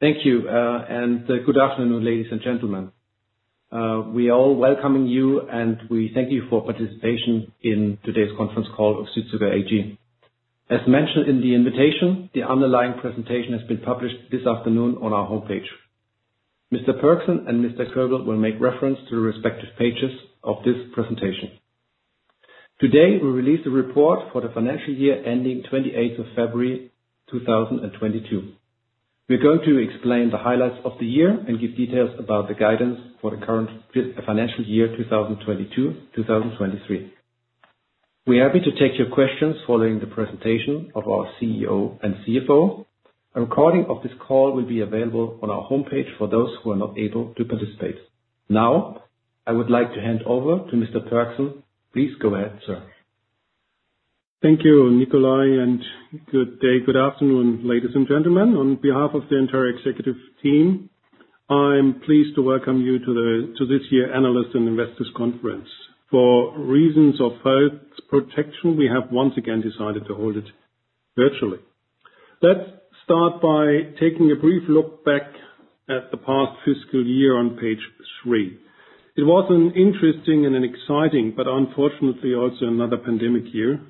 Thank you, and good afternoon, ladies and gentlemen. We are all welcoming you, and we thank you for participation in today's conference call of Südzucker AG. As mentioned in the invitation, the underlying presentation has been published this afternoon on our homepage. Mr. Pörksen and Mr. Kölbl will make reference to the respective pages of this presentation. Today, we release a report for the financial year ending 28th of February, 2022. We're going to explain the highlights of the year and give details about the guidance for the current financial year, 2022, 2023. We're happy to take your questions following the presentation of our CEO and CFO. A recording of this call will be available on our homepage for those who are not able to participate. Now, I would like to hand over to Mr. Pörksen. Please go ahead, sir. Thank you, Nikolai, and good day. Good afternoon, ladies and gentlemen. On behalf of the entire executive team, I'm pleased to welcome you to this year's Analyst and Investors Conference. For reasons of health protection, we have once again decided to hold it virtually. Let's start by taking a brief look back at the past fiscal year on page three. It was an interesting and an exciting, but unfortunately also another pandemic year.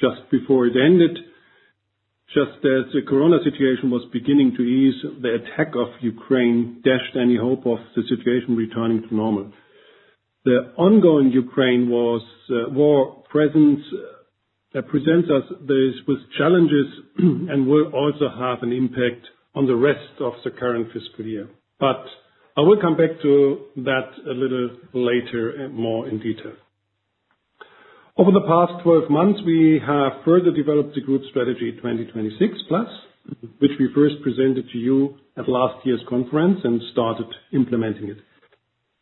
Just before it ended, just as the Corona situation was beginning to ease, the attack on Ukraine dashed any hope of the situation returning to normal. The ongoing Ukraine war presents us with challenges and will also have an impact on the rest of the current fiscal year. I will come back to that a little later and more in detail. Over the past 12 months, we have further developed the Group Strategy 2026 PLUS, which we first presented to you at last year's conference and started implementing it.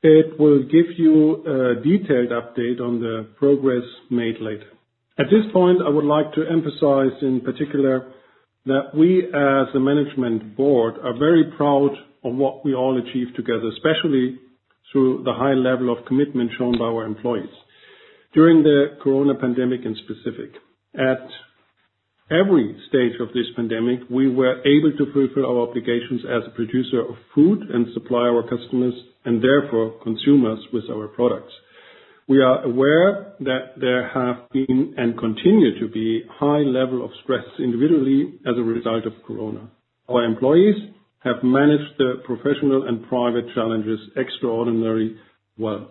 It will give you a detailed update on the progress made later. At this point, I would like to emphasize in particular that we, as a management board, are very proud of what we all achieved together, especially through the high level of commitment shown by our employees during the Corona pandemic in specific. At every stage of this pandemic, we were able to fulfill our obligations as a producer of food and supply our customers and therefore consumers with our products. We are aware that there have been and continue to be high level of stress individually as a result of Corona. Our employees have managed their professional and private challenges extraordinarily well.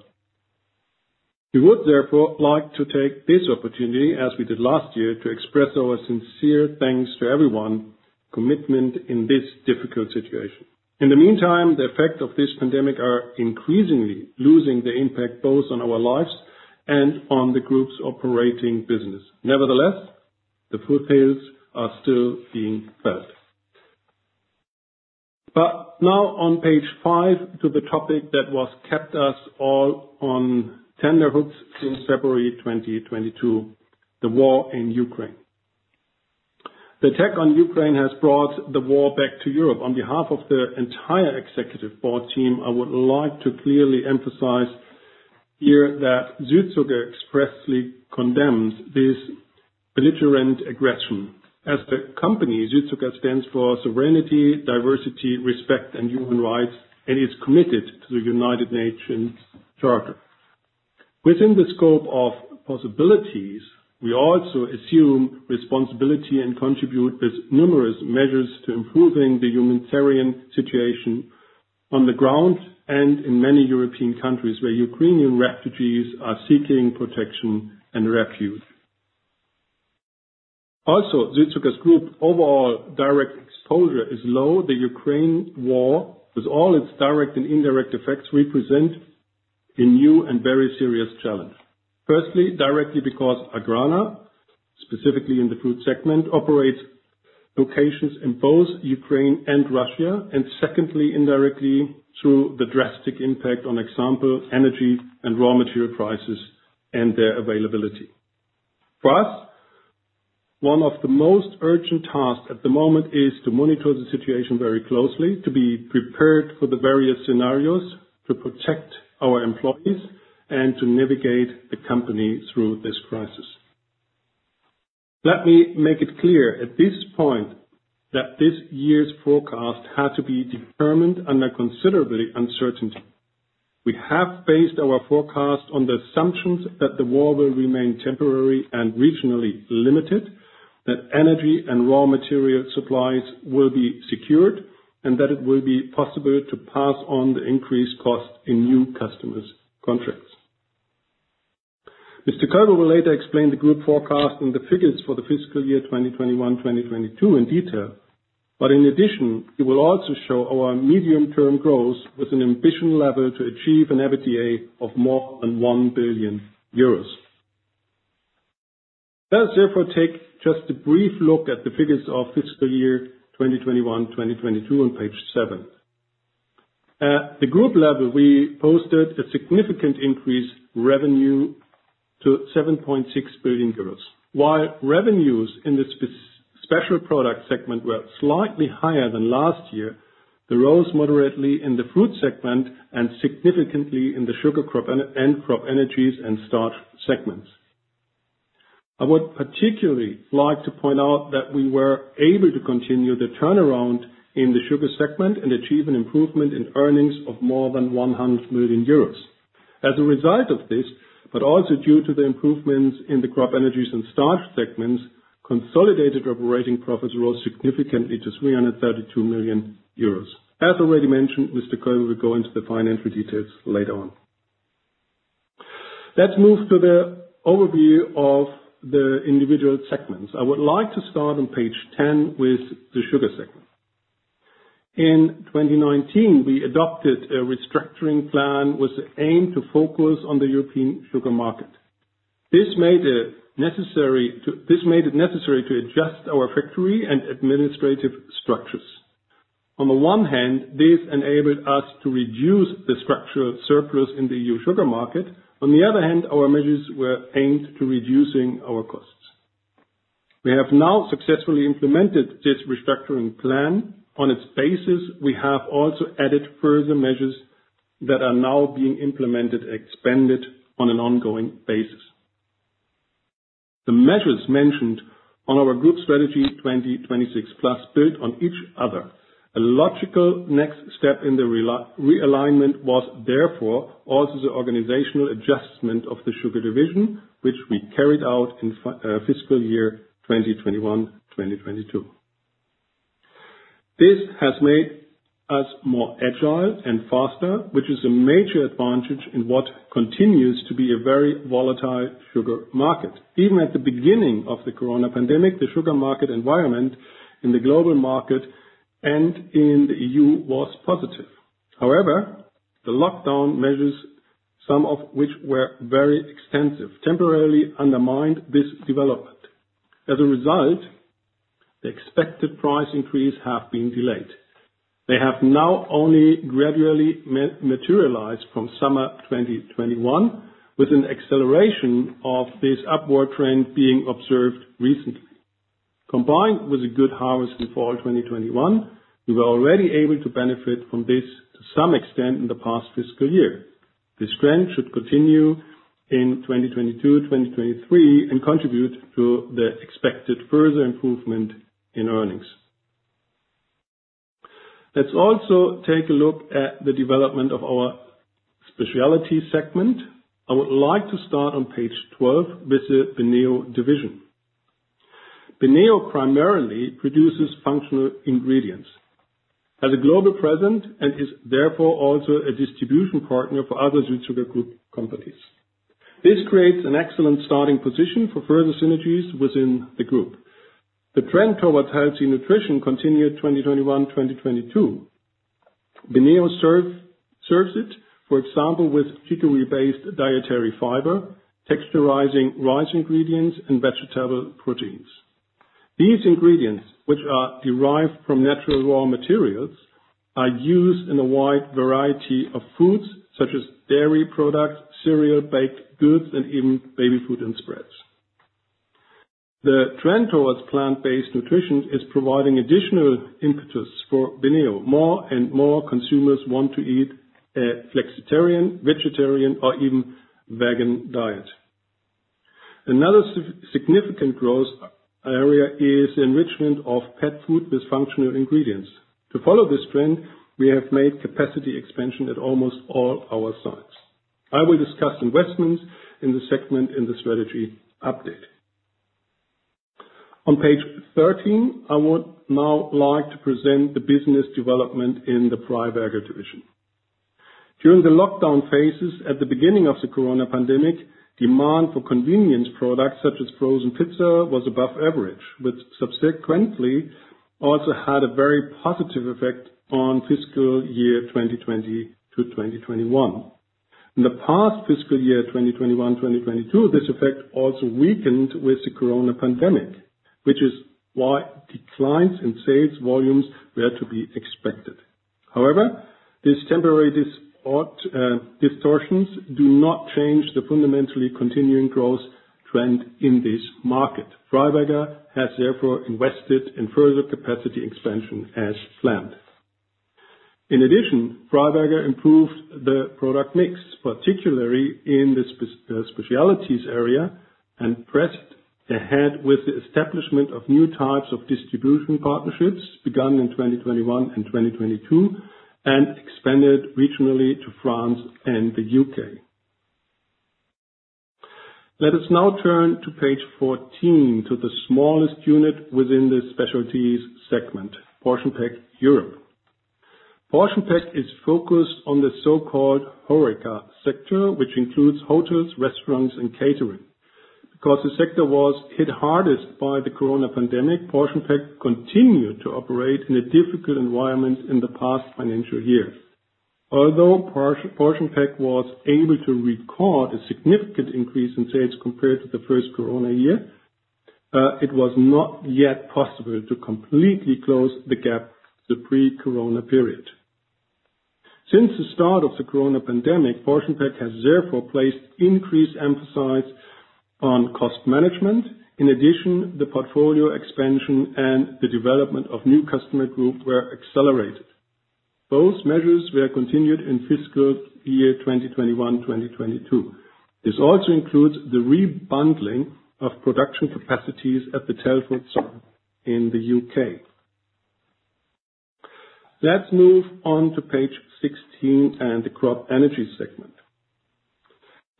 We would therefore like to take this opportunity, as we did last year, to express our sincere thanks to everyone's commitment in this difficult situation. In the meantime, the effects of this pandemic are increasingly losing their impact both on our lives and on the group's operating business. Nevertheless, the Fruit headwinds are still being felt. Now on page five to the topic that has kept us all on tenterhooks since February 2022, the war in Ukraine. The attack on Ukraine has brought the war back to Europe. On behalf of the entire executive board team, I would like to clearly emphasize here that Südzucker expressly condemns this belligerent aggression. As the company, Südzucker stands for sovereignty, diversity, respect, and human rights, and is committed to the United Nations Charter. Within the scope of possibilities, we also assume responsibility and contribute with numerous measures to improving the humanitarian situation on the ground and in many European countries where Ukrainian refugees are seeking protection and refuge. Südzucker's group overall direct exposure is low. The Ukraine war, with all its direct and indirect effects, represent a new and very serious challenge. Firstly, directly because AGRANA, specifically in the food segment, operates locations in both Ukraine and Russia, and secondly, indirectly through the drastic impact, for example, energy and raw material prices and their availability. For us, one of the most urgent tasks at the moment is to monitor the situation very closely, to be prepared for the various scenarios, to protect our employees, and to navigate the company through this crisis. Let me make it clear at this point that this year's forecast had to be determined under considerable uncertainty. We have based our forecast on the assumptions that the war will remain temporary and regionally limited, that energy and raw material supplies will be secured, and that it will be possible to pass on the increased cost in new customers contracts. Mr. Kölbl will later explain the group forecast and the figures for the fiscal year 2021/2022 in detail. In addition, he will also show our medium-term goals with an ambition level to achieve an EBITDA of more than 1 billion euros. Let us therefore take just a brief look at the figures of fiscal year 2021/2022 on page seven. At the group level, we posted a significant increased revenue to 7.6 billion euros. While revenues in the Special Products Segment were slightly higher than last year, they rose moderately in the Fruit Segment and significantly in the Sugar, CropEnergies, and Starch segments. I would particularly like to point out that we were able to continue the turnaround in the Sugar Segment and achieve an improvement in earnings of more than 100 million euros. As a result of this, but also due to the improvements in the CropEnergies and Starch segments, consolidated operating profits rose significantly to 332 million euros. As already mentioned, Mr. Kölbl will go into the financial details later on. Let's move to the overview of the individual segments. I would like to start on page 10 with the Sugar Segment. In 2019, we adopted a restructuring plan with the aim to focus on the European sugar market. This made it necessary to adjust our factory and administrative structures. On the one hand, this enabled us to reduce the structural surplus in the EU sugar market. On the other hand, our measures were aimed to reducing our costs. We have now successfully implemented this restructuring plan. On its basis, we have also added further measures that are now being implemented, expanded on an ongoing basis. The measures mentioned on our Group Strategy 2026 PLUS build on each other. A logical next step in the realignment was therefore also the organizational adjustment of the sugar division, which we carried out in fiscal year 2021/2022. This has made us more agile and faster, which is a major advantage in what continues to be a very volatile sugar market. Even at the beginning of the corona pandemic, the sugar market environment in the global market and in the EU was positive. However, the lockdown measures, some of which were very extensive, temporarily undermined this development. As a result, the expected price increase have been delayed. They have now only gradually materialized from summer 2021, with an acceleration of this upward trend being observed recently. Combined with a good harvest in fall 2021, we were already able to benefit from this to some extent in the past fiscal year. This trend should continue in 2022, 2023, and contribute to the expected further improvement in earnings. Let's also take a look at the development of our specialty segment. I would like to start on page 12 with the BENEO division. BENEO primarily produces functional ingredients. Has a global presence and is therefore also a distribution partner for other Südzucker Group Companies. This creates an excellent starting position for further synergies within the group. The trend towards healthy nutrition continued 2021/2022. BENEO serves it, for example, with chicory-based dietary fiber, texturizing rice ingredients, and vegetable proteins. These ingredients, which are derived from natural raw materials, are used in a wide variety of foods such as dairy products, cereal, baked goods, and even baby food and spreads. The trend towards plant-based nutrition is providing additional impetus for BENEO. More and more consumers want to eat a flexitarian, vegetarian or even vegan diet. Another significant growth area is enrichment of pet food with functional ingredients. To follow this trend, we have made capacity expansion at almost all our sites. I will discuss investments in the segment in the strategy update. On page 13, I would now like to present the business development in the Freiberger division. During the lockdown phases at the beginning of the corona pandemic, demand for convenience products, such as frozen pizza, was above average, which subsequently also had a very positive effect on fiscal year 2020 to 2021. In the past fiscal year, 2021/2022, this effect also weakened with the corona pandemic, which is why declines in sales volumes were to be expected. However, these temporary distortions do not change the fundamentally continuing growth trend in this market. Freiberger has therefore invested in further capacity expansion as planned. In addition, Freiberger improved the product mix, particularly in the specialties area, and pressed ahead with the establishment of new types of distribution partnerships begun in 2021 and 2022, and expanded regionally to France and the U.K. Let us now turn to page 14, to the smallest unit within the Special Products Segment, PortionPack Europe. PortionPack is focused on the so-called HORECA sector, which includes hotels, restaurants, and catering. Because the sector was hit hardest by the corona pandemic, PortionPack continued to operate in a difficult environment in the past financial year. Although PortionPack was able to record a significant increase in sales compared to the first corona year, it was not yet possible to completely close the gap to the pre-corona period. Since the start of the corona pandemic, PortionPack has therefore placed increased emphasis on cost management. In addition, the portfolio expansion and the development of new customer group were accelerated. Both measures were continued in fiscal year 2021/2022. This also includes the re-bundling of production capacities at the Telford site in the U.K. Let's move on to page 16 and the CropEnergies Segment.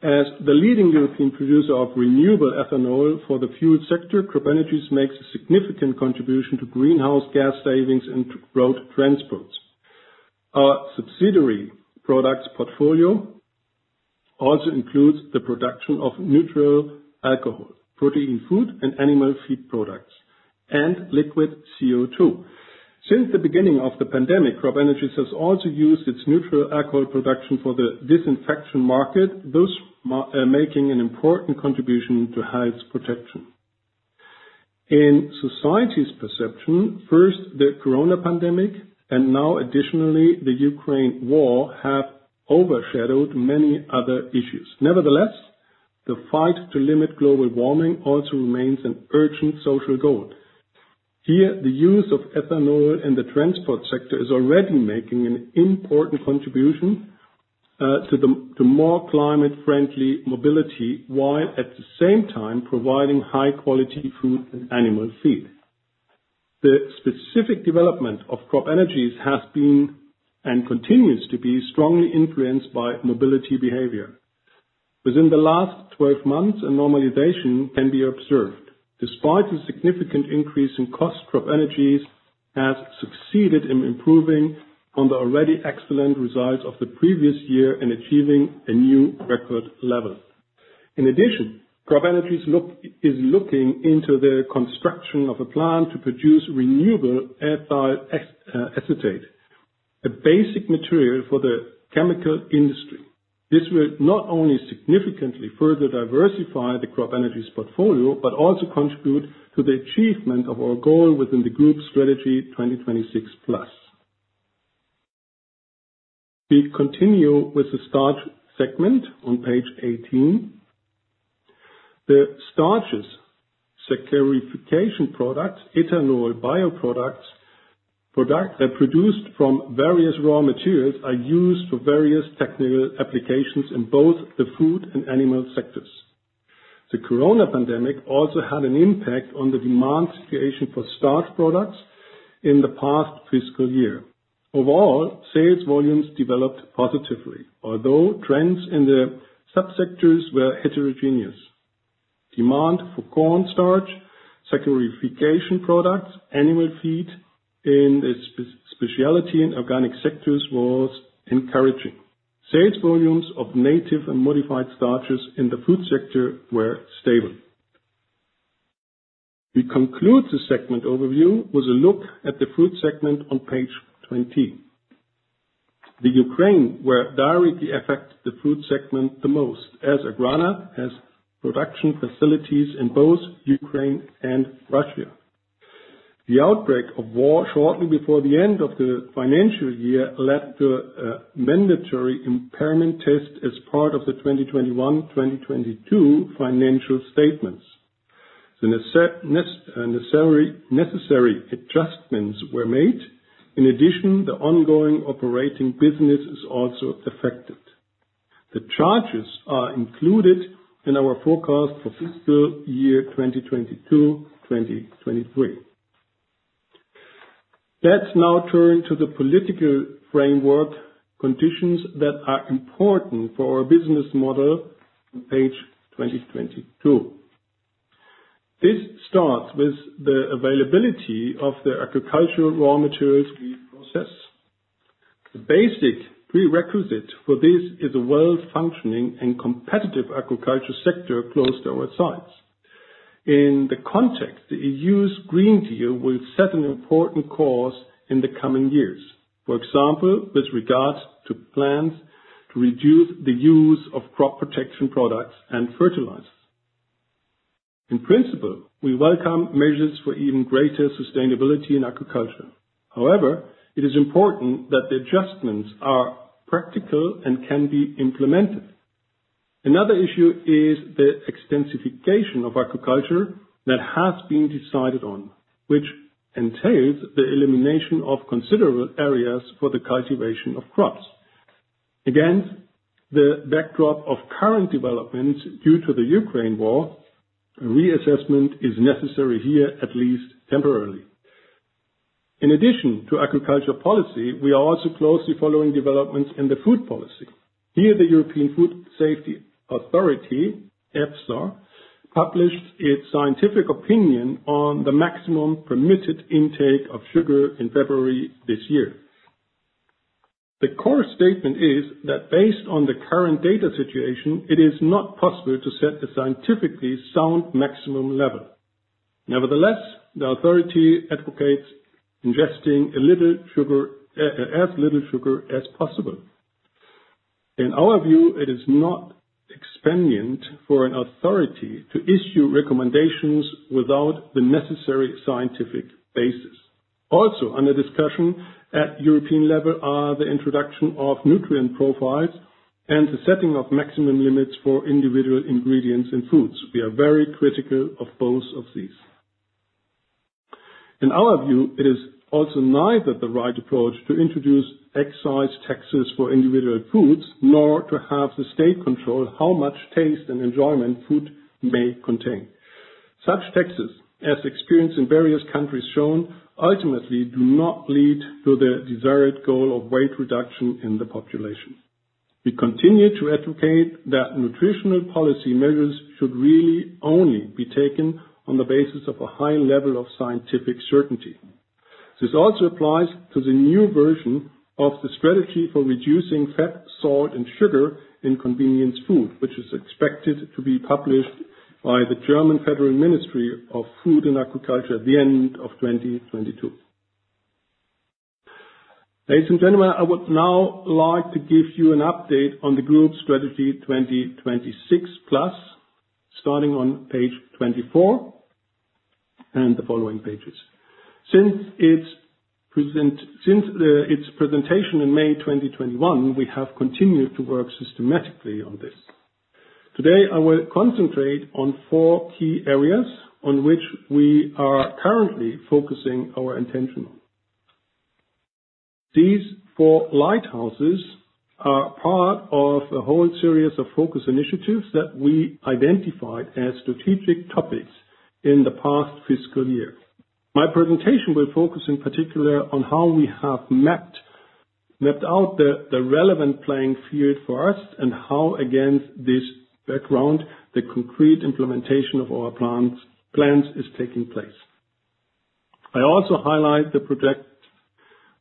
As the leading European producer of renewable ethanol for the fuel sector, CropEnergies makes a significant contribution to greenhouse gas savings and to road transport. Our subsidiary's product portfolio also includes the production of neutral alcohol, protein food, and animal feed products, and liquid CO2. Since the beginning of the pandemic, CropEnergies has also used its neutral alcohol production for the disinfection market, thus making an important contribution to health protection. In society's perception, first the corona pandemic, and now additionally the Ukraine war, have overshadowed many other issues. Nevertheless, the fight to limit global warming also remains an urgent social goal. Here, the use of ethanol in the transport sector is already making an important contribution to more climate-friendly mobility, while at the same time providing high-quality food and animal feed. The specific development of CropEnergies has been, and continues to be, strongly influenced by mobility behavior. Within the last 12 months, a normalization can be observed. Despite the significant increase in cost, CropEnergies has succeeded in improving on the already excellent results of the previous year in achieving a new record level. In addition, CropEnergies is looking into the construction of a plant to produce renewable ethyl acetate, a basic material for the chemical industry. This will not only significantly further diversify the CropEnergies portfolio, but also contribute to the achievement of our goal within the Group Strategy 2026 PLUS. We continue with the Starch Segment on page 18. The starches, saccharification products, ethanol bioproducts, products that produced from various raw materials are used for various technical applications in both the food and animal sectors. The corona pandemic also had an impact on the demand situation for starch products in the past fiscal year. Overall, sales volumes developed positively, although trends in the sub-sectors were heterogeneous. Demand for corn starch, saccharification products, animal feed in the specialty and organic sectors was encouraging. Sales volumes of native and modified starches in the food sector were stable. We conclude the segment overview with a look at the food segment on page 20. Ukraine will directly affect the food segment the most, as AGRANA has production facilities in both Ukraine and Russia. The outbreak of war shortly before the end of the financial year led to a mandatory impairment test as part of the 2021/2022 financial statements. The necessary adjustments were made. In addition, the ongoing operating business is also affected. The charges are included in our forecast for fiscal year 2022, 2023. Let's now turn to the political framework conditions that are important for our business model on page 2022. This starts with the availability of the agricultural raw materials we process. The basic prerequisite for this is a well-functioning and competitive agriculture sector close to our sites. In the context, the EU's Green Deal will set an important course in the coming years. For example, with regards to plans to reduce the use of crop protection products and fertilizers. In principle, we welcome measures for even greater sustainability in agriculture. However, it is important that the adjustments are practical and can be implemented. Another issue is the extensification of agriculture that has been decided on, which entails the elimination of considerable areas for the cultivation of crops. Against the backdrop of current developments due to the Ukraine war, a reassessment is necessary here, at least temporarily. In addition to agriculture policy, we are also closely following developments in the food policy. Here, the European Food Safety Authority, EFSA, published its scientific opinion on the maximum permitted intake of sugar in February this year. The core statement is that based on the current data situation, it is not possible to set a scientifically sound maximum level. Nevertheless, the authority advocates ingesting as little sugar as possible. In our view, it is not expedient for an authority to issue recommendations without the necessary scientific basis. Also under discussion at European level are the introduction of nutrient profiles and the setting of maximum limits for individual ingredients in foods. We are very critical of both of these. In our view, it is also neither the right approach to introduce excise taxes for individual foods, nor to have the state control how much taste and enjoyment food may contain. Such taxes, as experience in various countries has shown, ultimately do not lead to the desired goal of weight reduction in the population. We continue to educate that nutritional policy measures should really only be taken on the basis of a high level of scientific certainty. This also applies to the new version of the strategy for reducing fat, salt, and sugar in convenience food, which is expected to be published by the German Federal Ministry of Food and Agriculture at the end of 2022. Ladies and gentlemen, I would now like to give you an update on the Group Strategy 2026 PLUS, starting on page 24 and the following pages. Since its presentation in May 2021, we have continued to work systematically on this. Today, I will concentrate on four key areas on which we are currently focusing our attention. These four lighthouses are part of a whole series of focus initiatives that we identified as strategic topics in the past fiscal year. My presentation will focus in particular on how we have mapped out the relevant playing field for us and how, against this background, the concrete implementation of our plans is taking place. I also highlight the project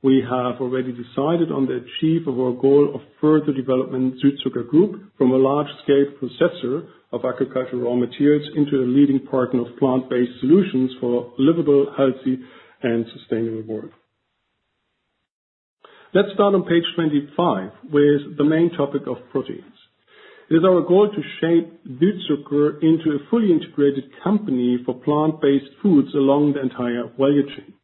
we have already decided on to achieve our goal of further development Südzucker Group from a large-scale processor of agricultural raw materials into a leading partner of plant-based solutions for livable, healthy, and sustainable world. Let's start on page 25, with the main topic of proteins. It is our goal to shape Südzucker into a fully integrated company for plant-based foods along the entire value chain.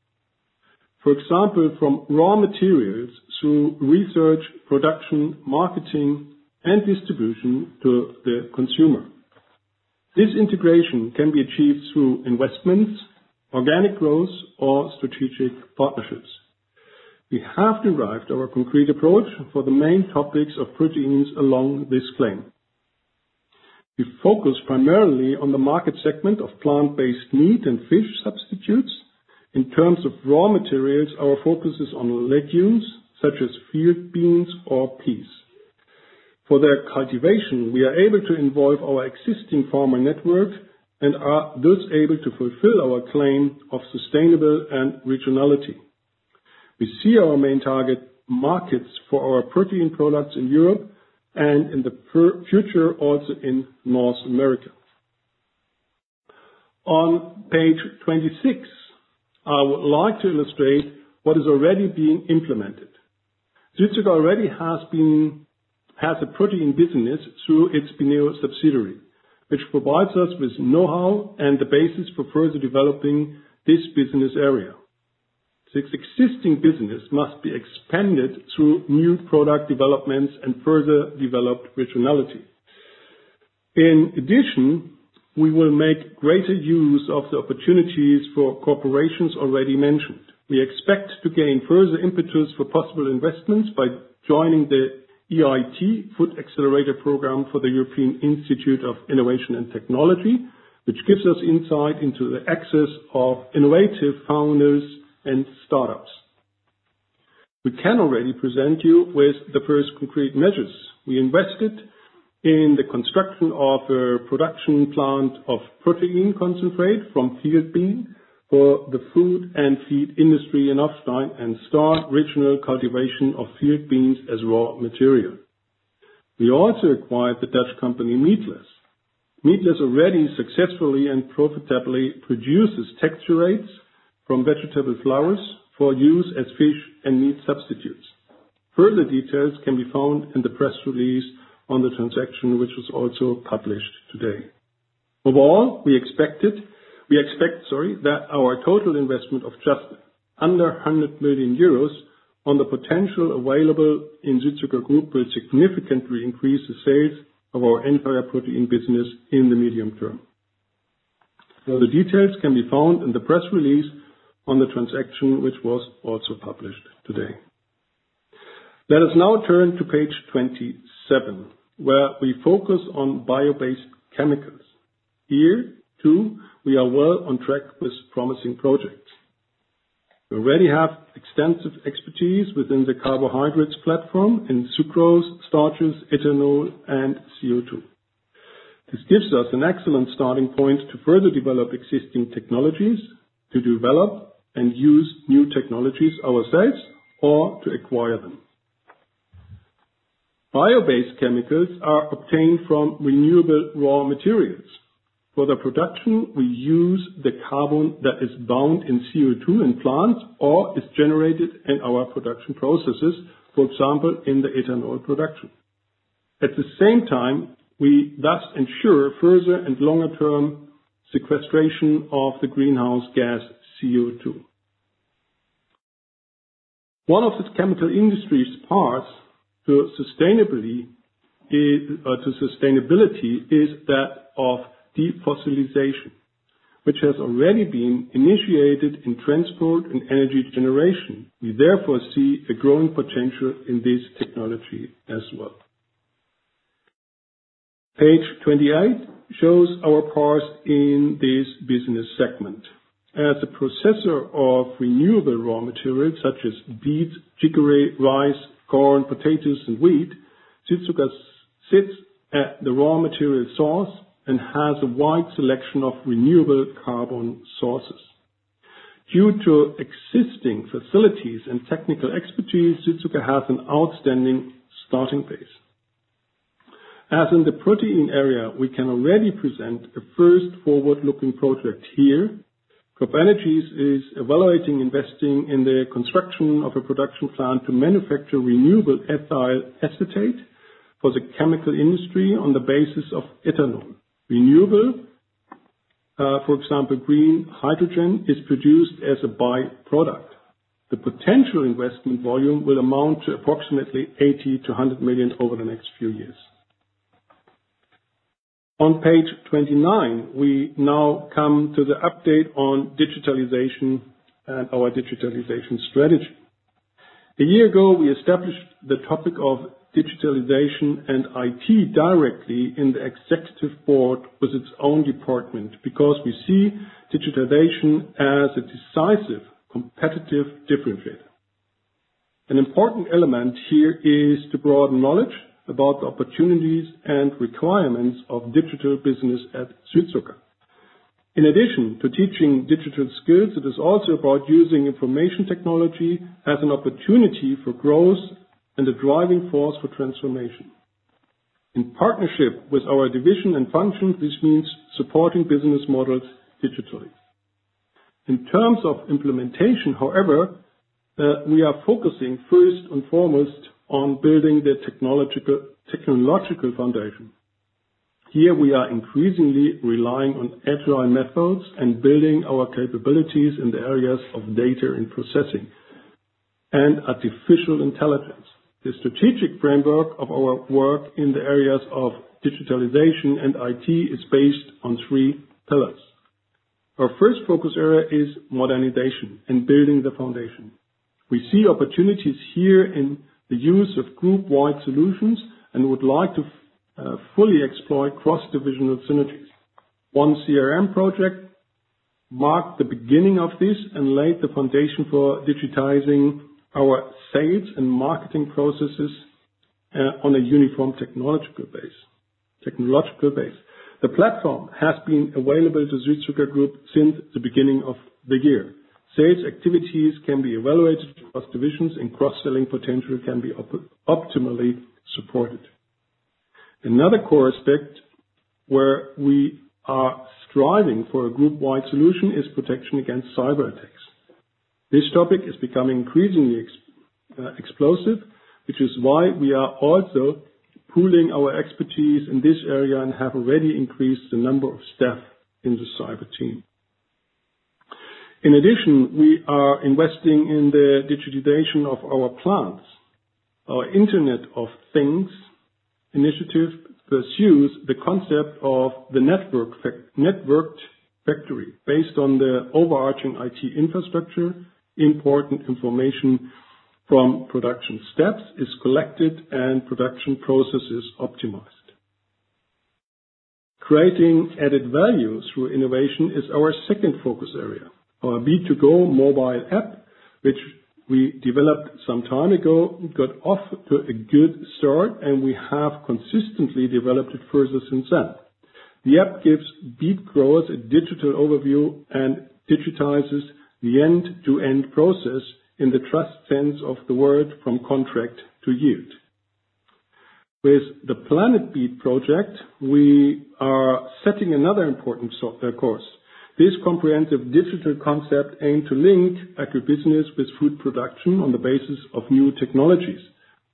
For example, from raw materials to research, production, marketing, and distribution to the consumer. This integration can be achieved through investments, organic growth, or strategic partnerships. We have derived our concrete approach for the main topics of proteins along this claim. We focus primarily on the market segment of plant-based meat and fish substitutes. In terms of raw materials, our focus is on legumes such as field beans or peas. For their cultivation, we are able to involve our existing farmer network and are thus able to fulfill our claim of sustainable and regionality. We see our main target markets for our protein products in Europe and in the future, also in North America. On page 26, I would like to illustrate what is already being implemented. Südzucker has a protein business through its BENEO subsidiary, which provides us with know-how and the basis for further developing this business area. This existing business must be expanded through new product developments and further developed regionality. In addition, we will make greater use of the opportunities for corporations already mentioned. We expect to gain further impetus for possible investments by joining the EIT Food Accelerator program for the European Institute of Innovation & Technology, which gives us insight into the axis of innovative founders and startups. We can already present you with the first concrete measures. We invested in the construction of a production plant of protein concentrate from field bean for the food and feed industry in Offstein and start regional cultivation of field beans as raw material. We also acquired the Dutch company Meatless. Meatless already successfully and profitably produces texturates from vegetable flours for use as fish and meat substitutes. Further details can be found in the press release on the transaction, which was also published today. Overall, we expect that our total investment of just under 100 million euros on the potential available in Südzucker Group will significantly increase the sales of our entire protein business in the medium term. Further details can be found in the press release on the transaction, which was also published today. Let us now turn to page 27, where we focus on bio-based chemicals. Here, too, we are well on track with promising projects. We already have extensive expertise within the carbohydrates platform in sucrose, starches, ethanol, and CO2. This gives us an excellent starting point to further develop existing technologies, to develop and use new technologies ourselves or to acquire them. Bio-based chemicals are obtained from renewable raw materials. For the production, we use the carbon that is bound in CO2 in plants or is generated in our production processes, for example, in the ethanol production. At the same time, we thus ensure further and longer-term sequestration of the greenhouse gas CO2. One of the chemical industry's parts to sustainability is to sustainability is that of defossilization, which has already been initiated in transport and energy generation. We therefore see a growing potential in this technology as well. Page 28 shows our part in this business segment. As a processor of renewable raw materials such as beets, chicory, rice, corn, potatoes, and wheat, Südzucker sits at the raw material source and has a wide selection of renewable carbon sources. Due to existing facilities and technical expertise, Südzucker has an outstanding starting place. As in the protein area, we can already present a first forward-looking project here. CropEnergies is evaluating investing in the construction of a production plant to manufacture renewable ethyl acetate for the chemical industry on the basis of ethanol. Renewable, for example, green hydrogen is produced as a by-product. The potential investment volume will amount to approximately 80 milllion- 100 million over the next few years. On page 29, we now come to the update on digitalization and our digitalization strategy. A year ago, we established the topic of digitalization and IT directly in the executive board with its own department because we see digitalization as a decisive competitive differentiator. An important element here is to broaden knowledge about the opportunities and requirements of digital business at Südzucker. In addition to teaching digital skills, it is also about using information technology as an opportunity for growth and a driving force for transformation. In partnership with our division and functions, this means supporting business models digitally. In terms of implementation, however, we are focusing first and foremost on building the technological foundation. Here we are increasingly relying on agile methods and building our capabilities in the areas of data and processing and artificial intelligence. The strategic framework of our work in the areas of digitalization and IT is based on three pillars. Our first focus area is modernization and building the foundation. We see opportunities here in the use of group-wide solutions and would like to fully exploit cross-divisional synergies. One CRM project marked the beginning of this and laid the foundation for digitizing our sales and marketing processes on a uniform technological base. The platform has been available to Südzucker Group since the beginning of the year. Sales activities can be evaluated across divisions and cross-selling potential can be optimally supported. Another core aspect where we are striving for a group-wide solution is protection against cyberattacks. This topic is becoming increasingly explosive, which is why we are also pooling our expertise in this area and have already increased the number of staff in the cyber team. In addition, we are investing in the digitization of our plants. Our Internet of Things initiative pursues the concept of the networked factory based on the overarching IT infrastructure. Important information from production steps is collected and production processes optimized. Creating added value through innovation is our second focus area. Our beet2go mobile app, which we developed some time ago, got off to a good start, and we have consistently developed it further since then. The app gives beet growers a digital overview and digitizes the end-to-end process in the true sense of the word from contract to yield. With the Planet Beet project, we are setting another important software course. This comprehensive digital concept aims to link agribusiness with food production on the basis of new technologies,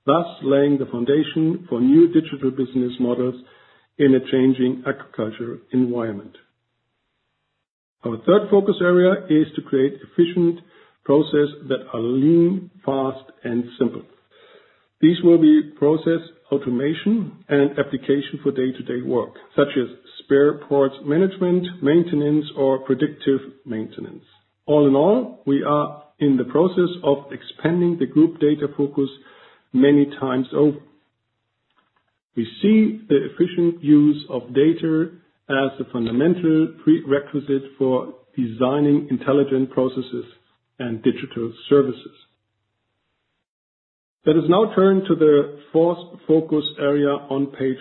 thus laying the foundation for new digital business models in a changing agricultural environment. Our third focus area is to create efficient processes that are lean, fast, and simple. These will be process automation and applications for day-to-day work, such as spare parts management, maintenance, or predictive maintenance. All in all, we are in the process of expanding the group data focus many times over. We see the efficient use of data as a fundamental prerequisite for designing intelligent processes and digital services. Let us now turn to the fourth focus area on page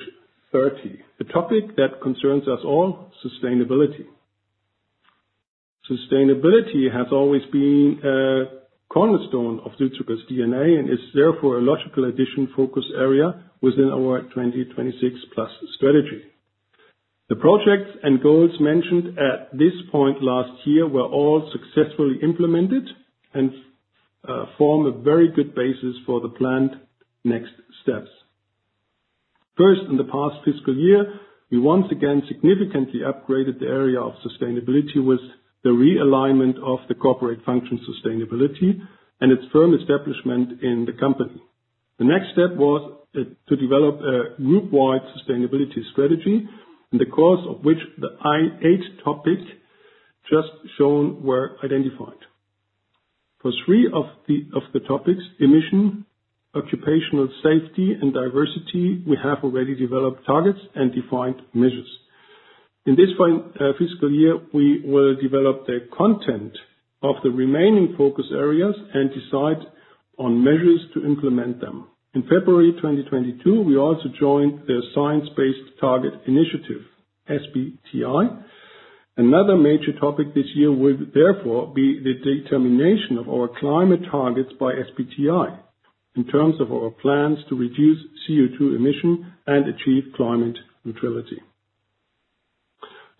30. The topic that concerns us all, sustainability. Sustainability has always been a cornerstone of Südzucker's DNA and is therefore a logical addition focus area within our 2026 PLUS strategy. The projects and goals mentioned at this point last year were all successfully implemented and form a very good basis for the planned next steps. First, in the past fiscal year, we once again significantly upgraded the area of sustainability with the realignment of the corporate function sustainability and its firm establishment in the company. The next step was to develop a group-wide sustainability strategy, in the course of which the key topics just shown were identified. For three of the topics, emission, occupational safety, and diversity, we have already developed targets and defined measures. In this fiscal year, we will develop the content of the remaining focus areas and decide on measures to implement them. In February 2022, we also joined the Science-Based Target Initiative, SBTI. Another major topic this year will therefore be the determination of our climate targets by SBTI in terms of our plans to reduce CO₂ emission and achieve climate neutrality.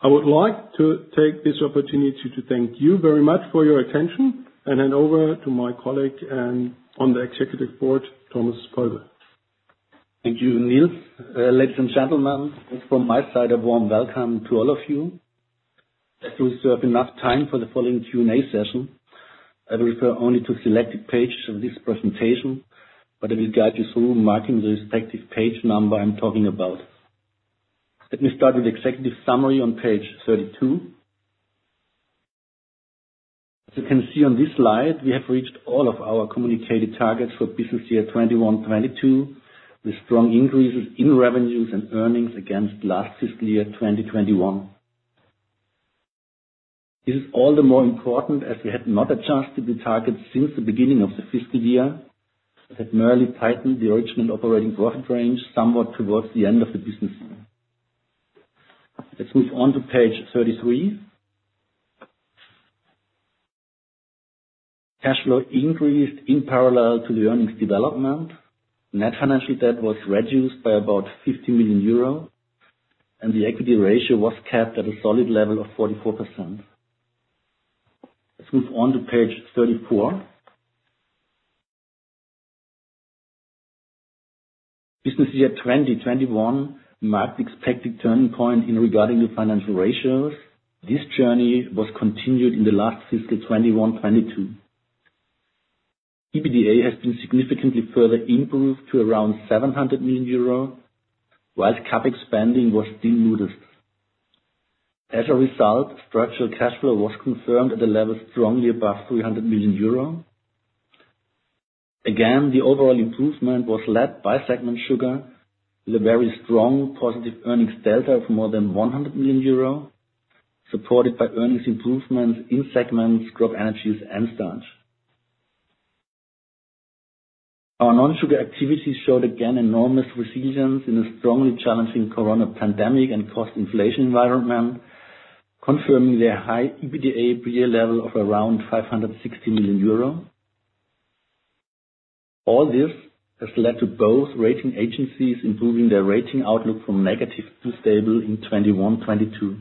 I would like to take this opportunity to thank you very much for your attention and hand over to my colleague on the executive board, Thomas Kölbl. Thank you, Niels. Ladies and gentlemen, from my side, a warm welcome to all of you. As we still have enough time for the following Q&A session, I refer only to selected pages of this presentation, but I will guide you through marking the respective page number I'm talking about. Let me start with the executive summary on page 32. As you can see on this slide, we have reached all of our communicated targets for business year 2021/2022, with strong increases in revenues and earnings against last fiscal year 2021. This is all the more important as we had not adjusted the targets since the beginning of the fiscal year, but had merely tightened the original operating profit range somewhat towards the end of the business year. Let's move on to page 33. Cash flow increased in parallel to the earnings development. Net financial debt was reduced by about 50 million euro, and the equity ratio was kept at a solid level of 44%. Let's move on to page 34. Business year 2021 marked the expected turning point regarding the financial ratios. This journey was continued in the last fiscal 2021/2022. EBITDA has been significantly further improved to around 700 million euro, while CapEx spending was still reduced. As a result, structural cash flow was confirmed at a level strongly above 300 million euro. Again, the overall improvement was led by Sugar Segment with a very strong positive earnings delta of more than 100 million euro, supported by earnings improvements in segments CropEnergies and Starch. Our non-sugar activities showed again enormous resilience in a strongly challenging coronavirus pandemic and cost inflation environment, confirming their high EBITDA level of around 560 million euro. All this has led to both rating agencies improving their rating outlook from negative to stable in 2021/2022.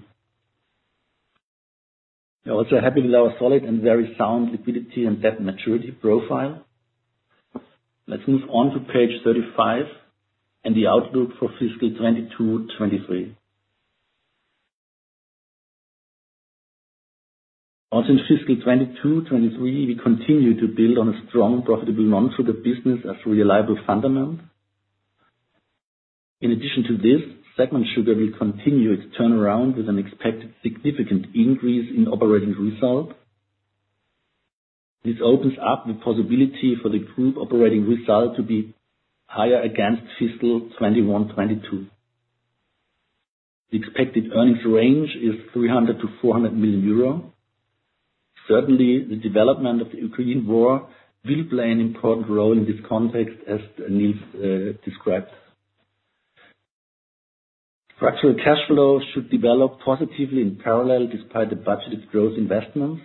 We are also happy with our solid and very sound liquidity and debt maturity profile. Let's move on to page 35 and the outlook for fiscal 2022, 2023. Also in fiscal 2022, 2023, we continue to build on a strong profitable non-sugar business as a reliable fundament. In addition to this, sugar segment will continue its turnaround with an expected significant increase in operating result. This opens up the possibility for the group operating result to be higher against fiscal 2021/2022. The expected earnings range is 300 million-400 million euro. Certainly, the development of the Ukraine war will play an important role in this context, as Niels described. Structural cash flow should develop positively in parallel despite the budgeted growth investments.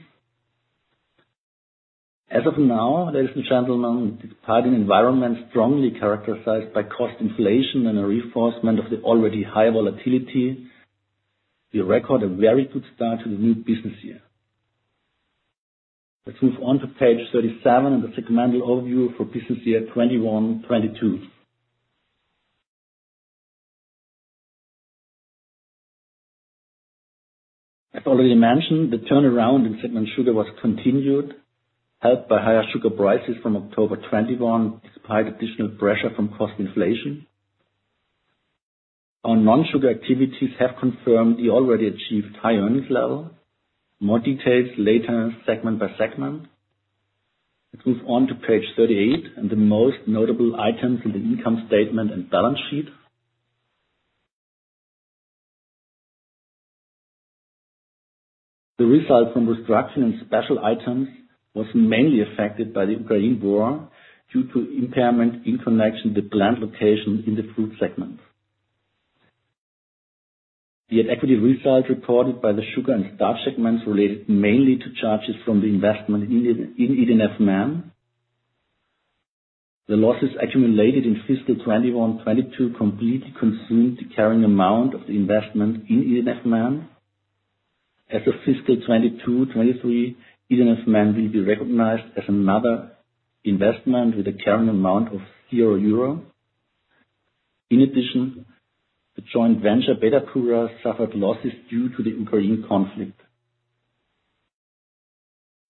As of now, ladies and gentlemen, despite an environment strongly characterized by cost inflation and a reinforcement of the already high volatility, we record a very good start to the new business year. Let's move on to page 37 and the segmental overview for business year 2021/2022. As already mentioned, the turnaround in Sugar Segment was continued, helped by higher sugar prices from October 2021, despite additional pressure from cost inflation. Our non-sugar activities have confirmed the already achieved high earnings level. More details later, segment by segment. Let's move on to page 38 and the most notable items in the income statement and balance sheet. The result from restructuring and special items was mainly affected by the Ukraine war due to impairment in connection with plant locations in the Fruit Segment. The equity result recorded by the sugar and starch segments related mainly to charges from the investment in ED&F Man. The losses accumulated in fiscal 2021/2022 completely consumed the carrying amount of the investment in ED&F Man. As of fiscal 2022-2023, ED&F Man will be recognized as another investment with a carrying amount of 0 euro. In addition, the joint venture, Beta Pura, suffered losses due to the Ukrainian conflict.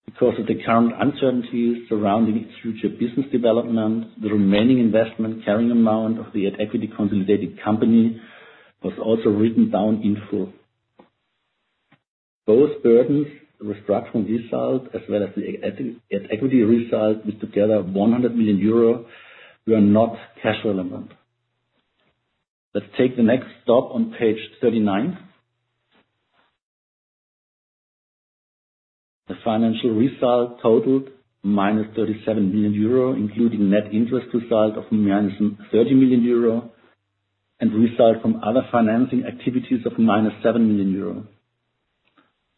Because of the current uncertainties surrounding its future business development, the remaining investment carrying amount of the at-equity consolidated company was also written down in full. Both burdens, the restructuring result, as well as the at equity result, with together 100 million euro, were not cash relevant. Let's take the next step on page 39. The financial result totaled -37 million euro, including net interest result of -30 million euro and result from other financing activities of -7 million euro.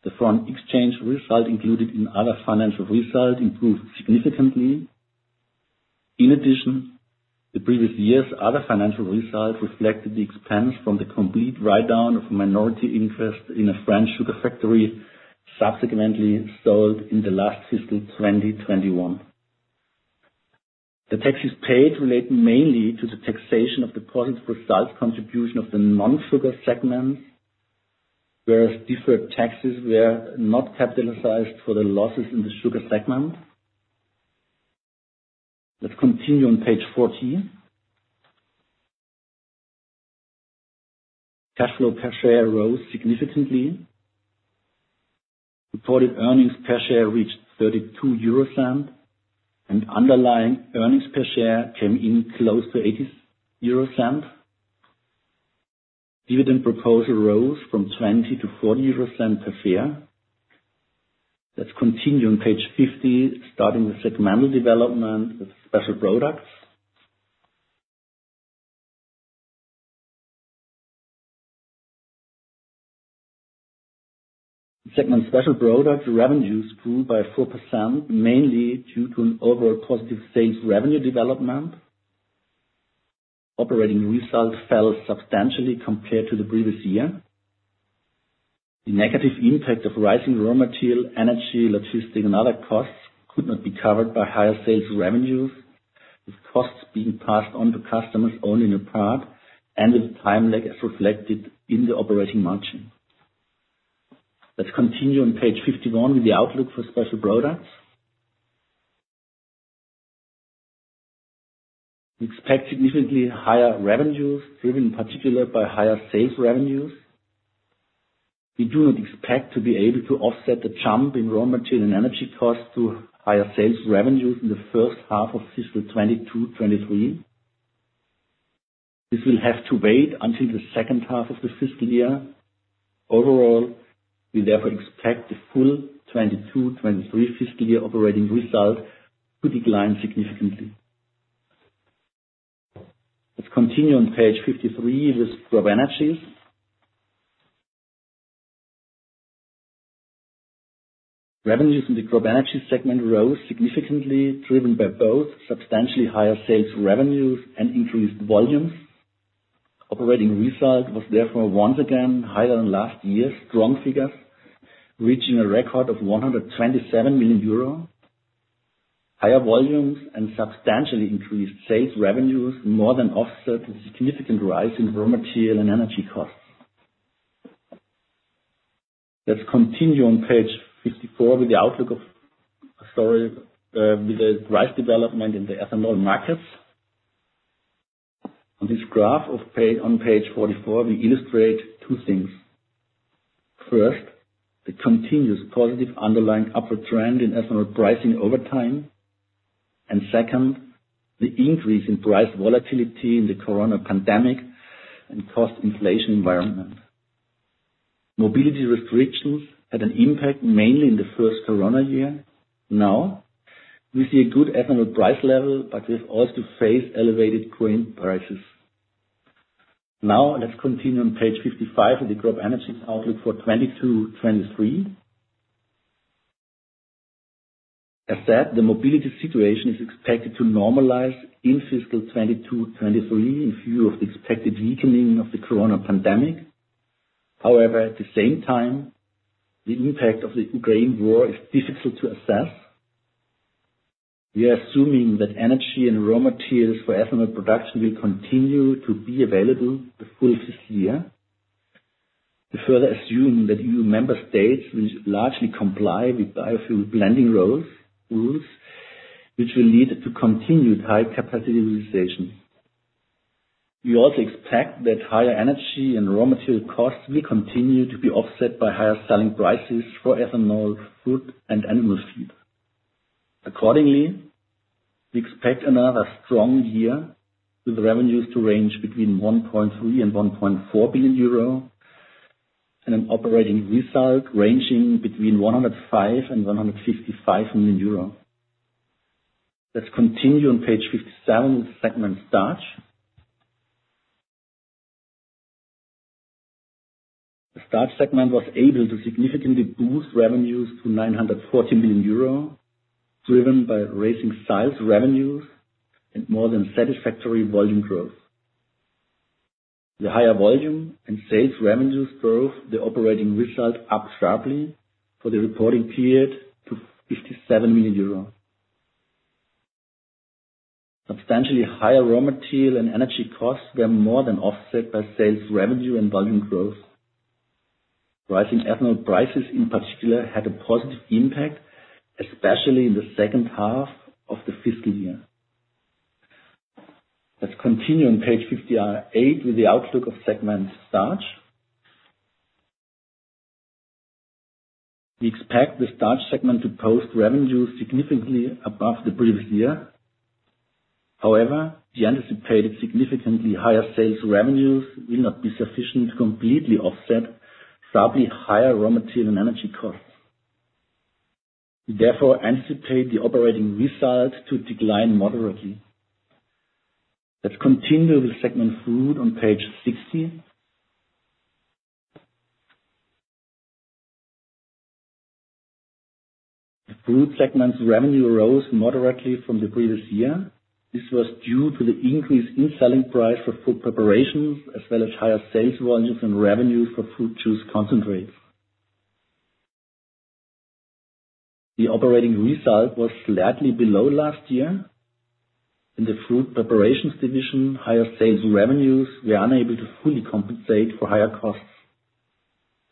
The foreign exchange result included in other financial results improved significantly. In addition, the previous year's other financial results reflected the expense from the complete write-down of minority interest in a French sugar factory subsequently sold in the last fiscal 2021. The taxes paid relate mainly to the taxation of the positive results contribution of the non-sugar segments, whereas deferred taxes were not capitalized for the losses in the Sugar Segment. Let's continue on page 40. Cash flow per share rose significantly. Reported earnings per share reached 0.32, and underlying earnings per share came in close to 0.80. Dividend proposal rose from 0.20 to 0.40 per share. Let's continue on page 50, starting with segmental development with Special Products. Special Products Segment revenues grew by 4%, mainly due to an overall positive sales revenue development. Operating results fell substantially compared to the previous year. The negative impact of rising raw material, energy, logistics, and other costs could not be covered by higher sales revenues, with costs being passed on to customers only in part and with time lag as reflected in the operating margin. Let's continue on page 51 with the outlook for Special Products. We expect significantly higher revenues, driven in particular by higher sales revenues. We do not expect to be able to offset the jump in raw material and energy costs to higher sales revenues in the first half of fiscal 2022-2023. This will have to wait until the second half of the fiscal year. Overall, we therefore expect the full 2022/2023 fiscal year operating results to decline significantly. Let's continue on page 53 with CropEnergies. Revenues in the CropEnergies segment rose significantly, driven by both substantially higher sales revenues and increased volumes. Operating results was therefore once again higher than last year's strong figures, reaching a record of 127 million euro. Higher volumes and substantially increased sales revenues more than offset the significant rise in raw material and energy costs. Let's continue on page 54 with the price development in the ethanol markets. On this graph on page 44, we illustrate two things. First, the continuous positive underlying upward trend in ethanol pricing over time, and second, the increase in price volatility in the coronavirus pandemic and cost inflation environment. Mobility restrictions had an impact mainly in the first corona year. Now, we see a good ethanol price level, but we also face elevated grain prices. Now let's continue on page 55 with the CropEnergies outlook for 2022, 2023. As said, the mobility situation is expected to normalize in fiscal 2022, 2023 in view of the expected weakening of the corona pandemic. However, at the same time, the impact of the Ukraine war is difficult to assess. We are assuming that energy and raw materials for ethanol production will continue to be available the full fiscal year. We further assume that EU member states will largely comply with biofuel blending rules, which will lead to continued high capacity utilization. We also expect that higher energy and raw material costs will continue to be offset by higher selling prices for ethanol, food, and animal feed. Accordingly, we expect another strong year with revenues to range between 1.3 billion and 1.4 billion euro and an operating result ranging between 105 million and 155 million euro. Let's continue on page 57 with Segment Starch. The Starch Segment was able to significantly boost revenues to 940 million euro, driven by rising sales revenues and more than satisfactory volume growth. The higher volume and sales revenues growth. The operating result up sharply for the reporting period to 57 million euros. Substantially higher raw material and energy costs were more than offset by sales revenue and volume growth. Rising ethanol prices in particular had a positive impact, especially in the second half of the fiscal year. Let's continue on page 58 with the outlook of Segment Starch. We expect the Starch Segment to post revenues significantly above the previous year. However, the anticipated significantly higher sales revenues will not be sufficient to completely offset sharply higher raw material and energy costs. We therefore anticipate the operating results to decline moderately. Let's continue with Fruit Segment on page 60. The Fruit Segment's revenue rose moderately from the previous year. This was due to the increase in selling price for fruit preparations, as well as higher sales volumes and revenues for fruit juice concentrates. The operating result was slightly below last year. In the fruit preparations division, higher sales revenues were unable to fully compensate for higher costs.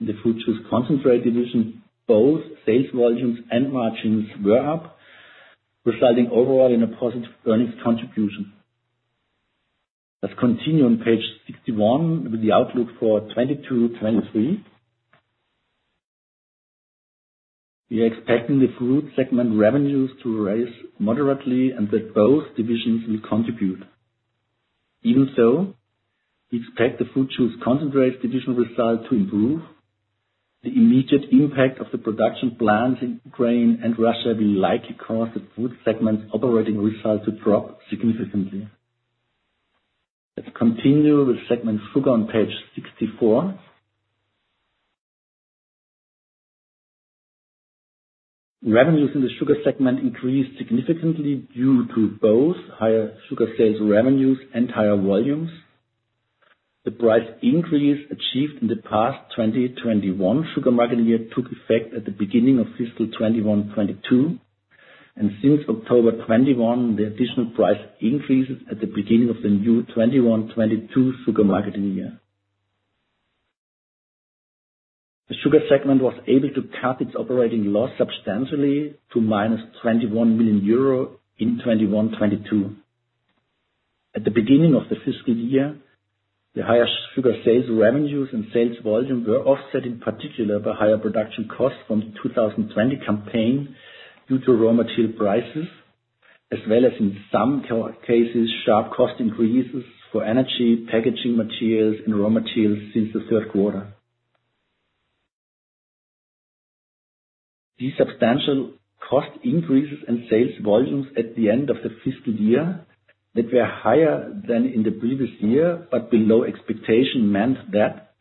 In the fruit juice concentrate division, both sales volumes and margins were up, resulting overall in a positive earnings contribution. Let's continue on page 61 with the outlook for 2022, 2023. We are expecting the Fruit Segment revenues to rise moderately and that both divisions will contribute. Even so, we expect the fruit juice concentrate division result to improve. The immediate impact of the production plants in Ukraine and Russia will likely cause the Fruit Segment's operating results to drop significantly. Let's continue with Sugar Segment on page 64. Revenues in the Sugar Segment increased significantly due to both higher sugar sales revenues and higher volumes. The price increase achieved in the past 2021 sugar marketing year took effect at the beginning of fiscal 2021/2022, and since October 2021, the additional price increases at the beginning of the new 2021/2022 sugar marketing year. The Sugar Segment was able to cut its operating loss substantially to -21 million euro in 2021/2022. At the beginning of the fiscal year, the higher sugar sales revenues and sales volume were offset, in particular, by higher production costs from the 2020 campaign due to raw material prices as well as, in some cases, sharp cost increases for energy, packaging materials and raw materials since the third quarter. These substantial cost increases and sales volumes at the end of the fiscal year that were higher than in the previous year but below expectation meant that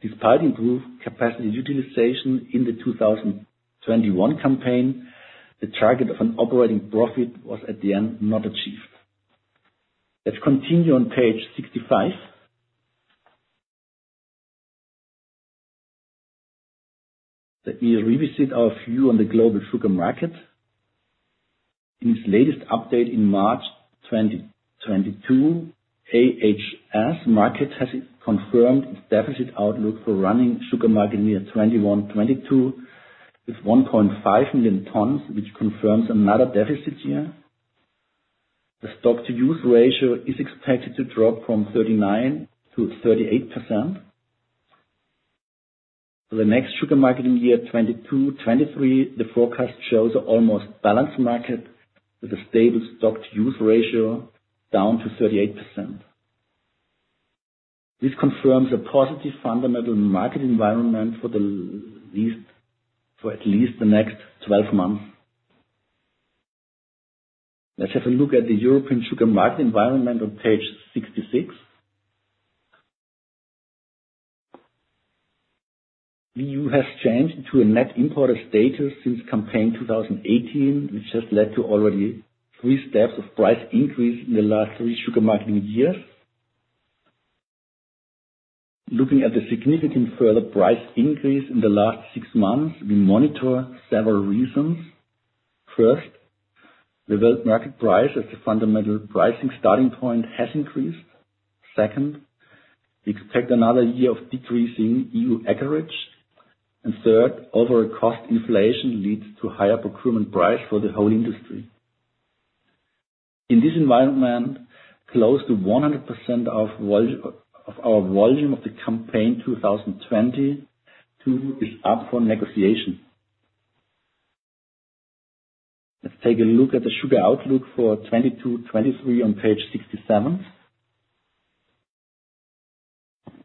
despite improved capacity utilization in the 2021 campaign, the target of an operating profit was at the end, not achieved. Let's continue on page 65. Let me revisit our view on the global sugar market. In its latest update in March 2022, IHS Markit has confirmed its deficit outlook for running sugar marketing year 2021/2022 with 1.5 million tons, which confirms another deficit year. The stock-to-use ratio is expected to drop from 39%-38%. For the next sugar marketing year, 2022/2023, the forecast shows almost balanced market with a stable stock-to-use ratio down to 38%. This confirms a positive fundamental market environment for at least the next 12 months. Let's have a look at the European sugar market environment on page 66. EU has changed to a net importer status since campaign 2018, which has led to already three steps of price increase in the last three sugar marketing years. Looking at the significant further price increase in the last six months, we monitor several reasons. First, the world market price as the fundamental pricing starting point has increased. Second, we expect another year of decreasing EU acreage. Third, overall cost inflation leads to higher procurement price for the whole industry. In this environment, close to 100% of our volume of the campaign 2022 is up for negotiation. Let's take a look at the sugar outlook for 2022/2023 on page 67.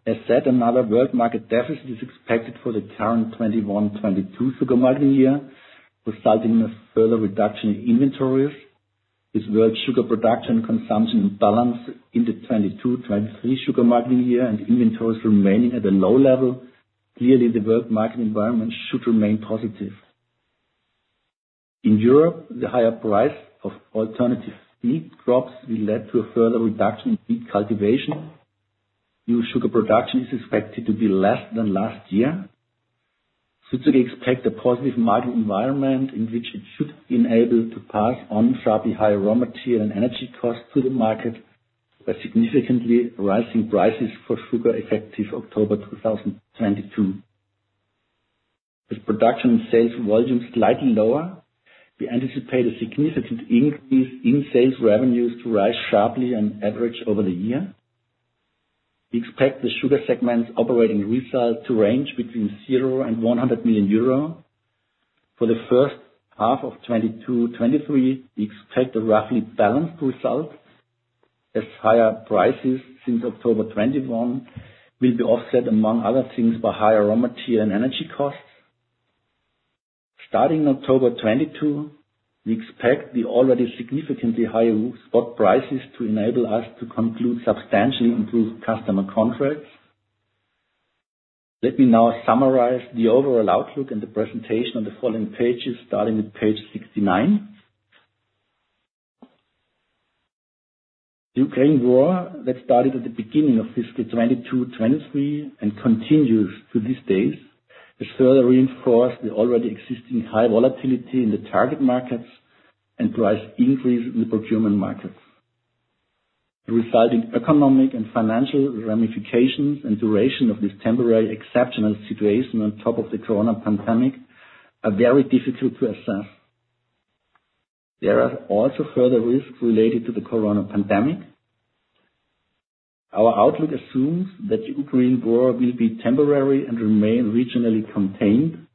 As said, another world market deficit is expected for the current 2021/2022 sugar marketing year, resulting in a further reduction in inventories. This world sugar production-consumption balance into 2022/23 sugar marketing year and inventories remaining at a low level. Clearly, the world market environment should remain positive. In Europe, the higher price of alternative feed crops will lead to a further reduction in feed cultivation. New sugar production is expected to be less than last year. Südzucker expects a positive market environment in which it should be enabled to pass on sharply higher raw material and energy costs to the market, by significantly rising prices for sugar effective October 2022. With production sales volume slightly lower, we anticipate a significant increase in sales revenues to rise sharply and average over the year. We expect the Sugar Segment's operating results to range between 0 and 100 million euro. For the first half of 2022/2023, we expect a roughly balanced result, as higher prices since October 2021 will be offset, among other things, by higher raw material and energy costs. Starting October 2022, we expect the already significantly higher spot prices to enable us to conclude substantially improved customer contracts. Let me now summarize the overall outlook and the presentation on the following pages, starting at page 69. The Ukraine war that started at the beginning of fiscal 2022/2023 and continues to this day, has further reinforced the already existing high volatility in the target markets and price increase in the procurement markets. The resulting economic and financial ramifications and duration of this temporary exceptional situation on top of the COVID pandemic are very difficult to assess. There are also further risks related to the COVID pandemic. Our outlook assumes that the Ukraine war will be temporary and remain regionally contained,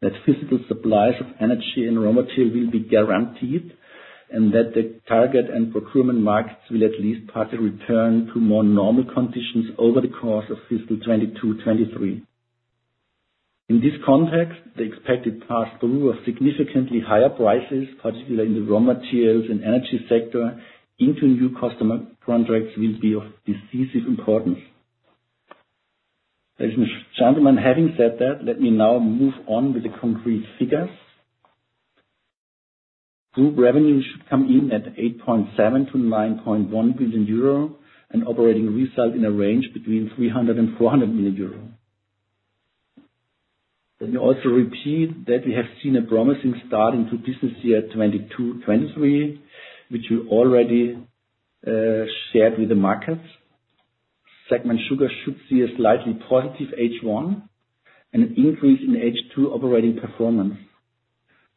that physical supplies of energy and raw material will be guaranteed, and that the target and procurement markets will at least partly return to more normal conditions over the course of fiscal 2022/2023. In this context, the expected pass-through of significantly higher prices, particularly in the raw materials and energy sector, into new customer contracts will be of decisive importance. Ladies and gentlemen, having said that, let me now move on with the concrete figures. Group revenue should come in at 8.7 billion-9.1 billion euro and operating result in a range between 300 million euro and 400 million euro. Let me also repeat that we have seen a promising start into business year 2022/2023, which we already shared with the markets. Sugar segment should see a slightly positive H1 and an increase in H2 operating performance.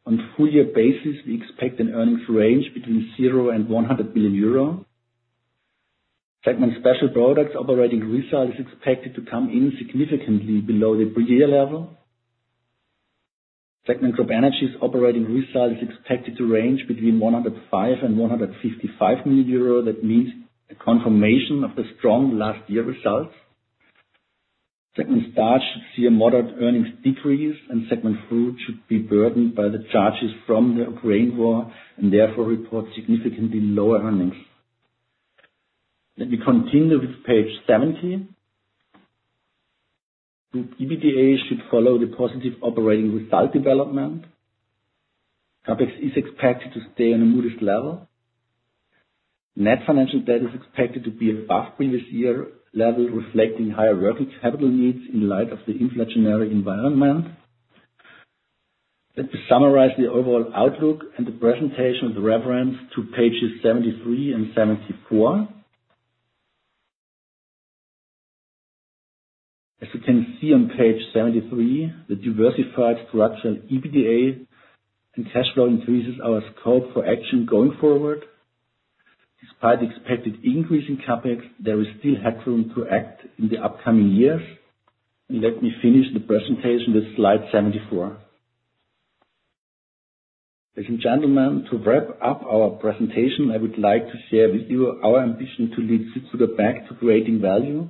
On full year basis, we expect an earnings range between 0 and 100 million euro. Special Products segment operating result is expected to come in significantly below the previous year level. CropEnergies Segment's operating result is expected to range between 105 million and 155 million euro. That means a confirmation of the strong last year results. Starch Segment should see a moderate earnings decrease and Fruit Segment should be burdened by the charges from the Ukraine war and therefore report significantly lower earnings. Let me continue with page 70. Group EBITDA should follow the positive operating result development. CapEx is expected to stay on a modest level. Net financial debt is expected to be above previous year level, reflecting higher working capital needs in light of the inflationary environment. Let me summarize the overall outlook and the presentation with reference to pages 73 and 74. As you can see on page 73, the diversified structural EBITDA and cash flow increases our scope for action going forward. Despite the expected increase in CapEx, there is still headroom to act in the upcoming years. Let me finish the presentation with slide 74. Ladies and gentlemen, to wrap up our presentation, I would like to share with you our ambition to lead Südzucker back to creating value.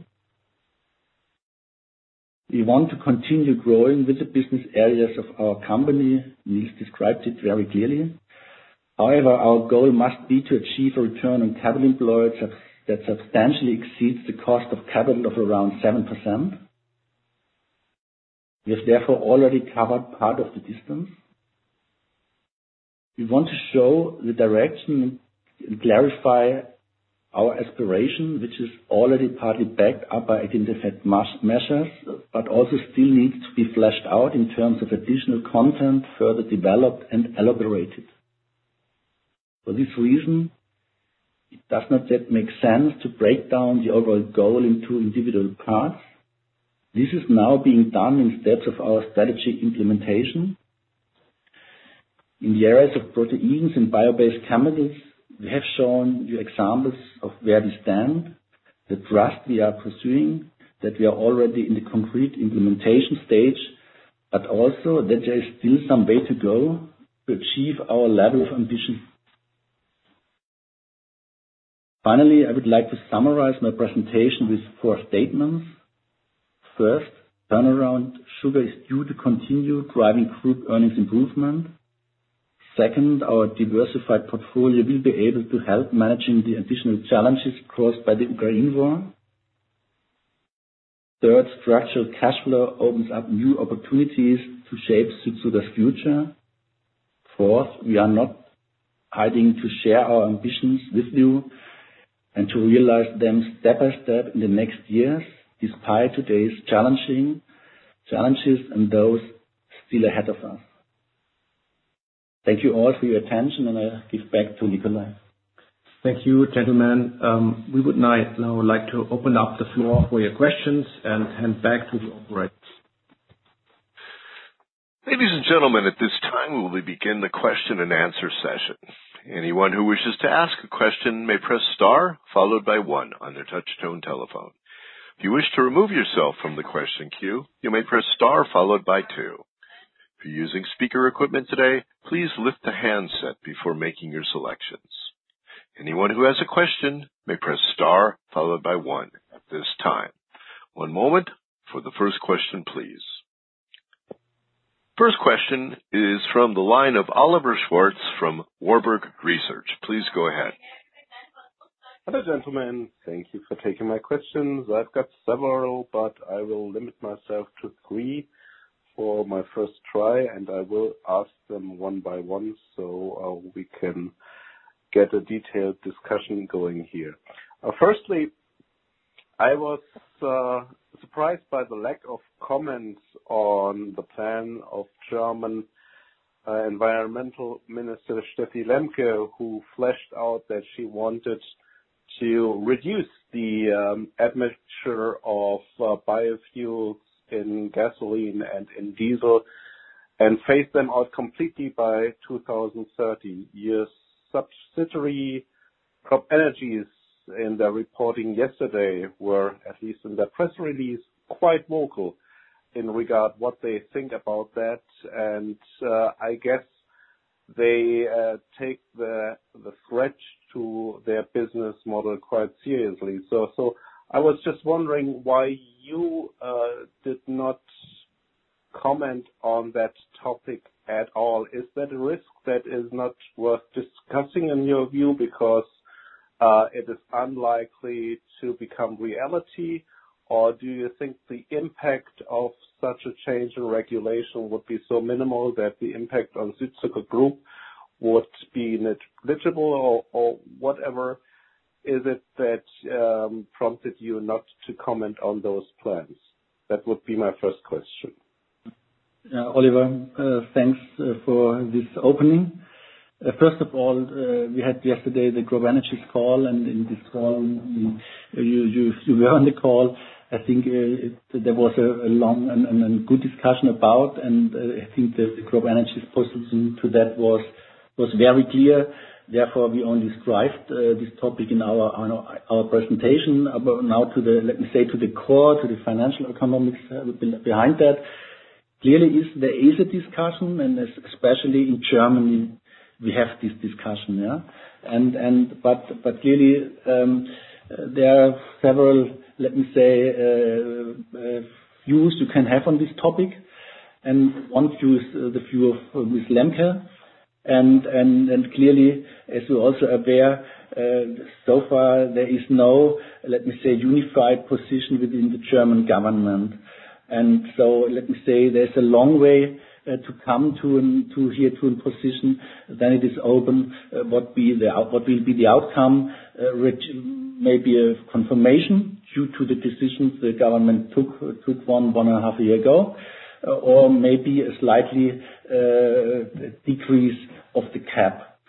We want to continue growing with the business areas of our company. Niels described it very clearly. However, our goal must be to achieve a return on capital employed that substantially exceeds the cost of capital of around 7%. We have therefore already covered part of the distance. We want to show the direction and clarify our aspiration, which is already partly backed up by identified measures, but also still needs to be fleshed out in terms of additional content, further developed and elaborated. For this reason, it does not yet make sense to break down the overall goal in two individual parts. This is now being done in steps of our strategy implementation. In the areas of proteins and bio-based chemicals, we have shown you examples of where we stand, the draft we are pursuing, that we are already in the concrete implementation stage, but also that there is still some way to go to achieve our level of ambition. Finally, I would like to summarize my presentation with four statements. First, turnaround sugar is due to continue driving group earnings improvement. Second, our diversified portfolio will be able to help managing the additional challenges caused by the Ukraine war. Third, structural cash flow opens up new opportunities to shape Südzucker's future. Fourth, we are not hesitating to share our ambitions with you and to realize them step by step in the next years, despite today's challenges and those still ahead of us. Thank you all for your attention, and I give back to Nikolai. Thank you, gentlemen. We would now like to open up the floor for your questions and hand back to the operator. Ladies and gentlemen, at this time, we will begin the question and answer session. Anyone who wishes to ask a question may press star followed by one on their touch-tone telephone. If you wish to remove yourself from the question queue, you may press star followed by two. If you're using speaker equipment today, please lift the handset before making your selections. Anyone who has a question may press star followed by one at this time. One moment for the first question, please. First question is from the line of Oliver Schwarz from Warburg Research. Please go ahead. Hello, gentlemen. Thank you for taking my questions. I've got several, but I will limit myself to three for my first try, and I will ask them one by one so we can get a detailed discussion going here. Firstly, I was surprised by the lack of comments on the plan of German environmental minister, Steffi Lemke, who fleshed out that she wanted to reduce the admixture of biofuels in gasoline and in diesel and phase them out completely by 2030. Your subsidiary, CropEnergies, in their reporting yesterday, were, at least in their press release, quite vocal in regard to what they think about that. I guess they take the threat to their business model quite seriously. I was just wondering why you did not comment on that topic at all. Is that a risk that is not worth discussing in your view because it is unlikely to become reality? Or do you think the impact of such a change in regulation would be so minimal that the impact on Südzucker Group would be negligible? Or whatever is it that prompted you not to comment on those plans? That would be my first question. Yeah. Oliver, thanks for this opening. First of all, we had yesterday the CropEnergies call, and in this call you were on the call. I think there was a long and good discussion about, and I think the CropEnergies position to that was very clear. Therefore, we only described this topic in our presentation. But now to the, let me say, to the core, to the financial economics behind that, clearly, there is a discussion, and especially in Germany, we have this discussion. But clearly, there are several, let me say, views you can have on this topic. One view is the view of Miss Lemke. Clearly, as you're also aware, so far there is no, let me say, unified position within the German government. Let me say, there's a long way to come to a position. It is open what will be the outcome, which may be a confirmation due to the decisions the government took one and a half years ago, or maybe a slight decrease of the cap.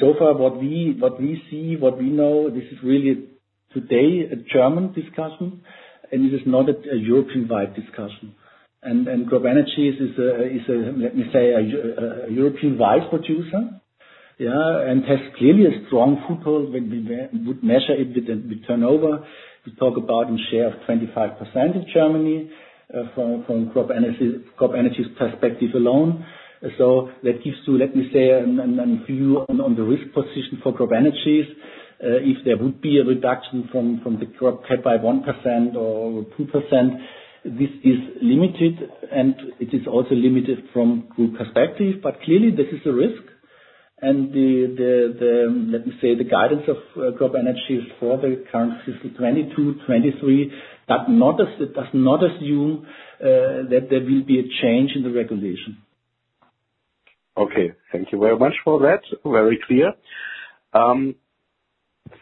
So far what we see, what we know, this is really today a German discussion, and it is not a European-wide discussion. CropEnergies is a, let me say, a European-wide producer, yeah, and has clearly a strong foothold when we would measure it with turnover. We talk about a share of 25% in Germany, from CropEnergies' perspective alone. That gives you a view on the risk position for CropEnergies. If there would be a reduction from the crop cut by 1% or 2%, this is limited, and it is also limited from group perspective. Clearly this is a risk. The guidance of CropEnergies for the current fiscal 2022/2023 does not assume that there will be a change in the regulation. Okay. Thank you very much for that. Very clear.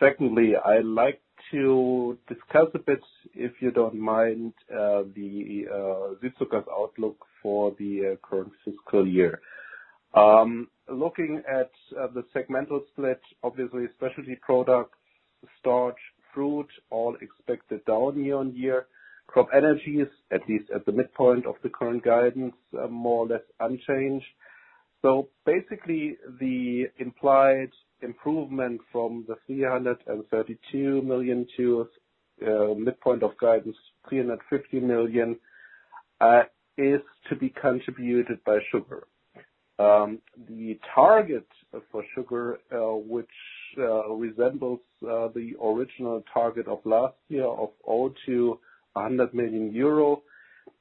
Secondly, I like to discuss a bit, if you don't mind, Südzucker's outlook for the current fiscal year. Looking at the segmental split, obviously Special Products, Starch, Fruit, all expected down year-on-year. CropEnergies, at least at the midpoint of the current guidance, are more or less unchanged. Basically, the implied improvement from 332 million to midpoint of guidance, 350 million, is to be contributed by sugar. The target for sugar, which resembles the original target of last year of 0 to 100 million euro,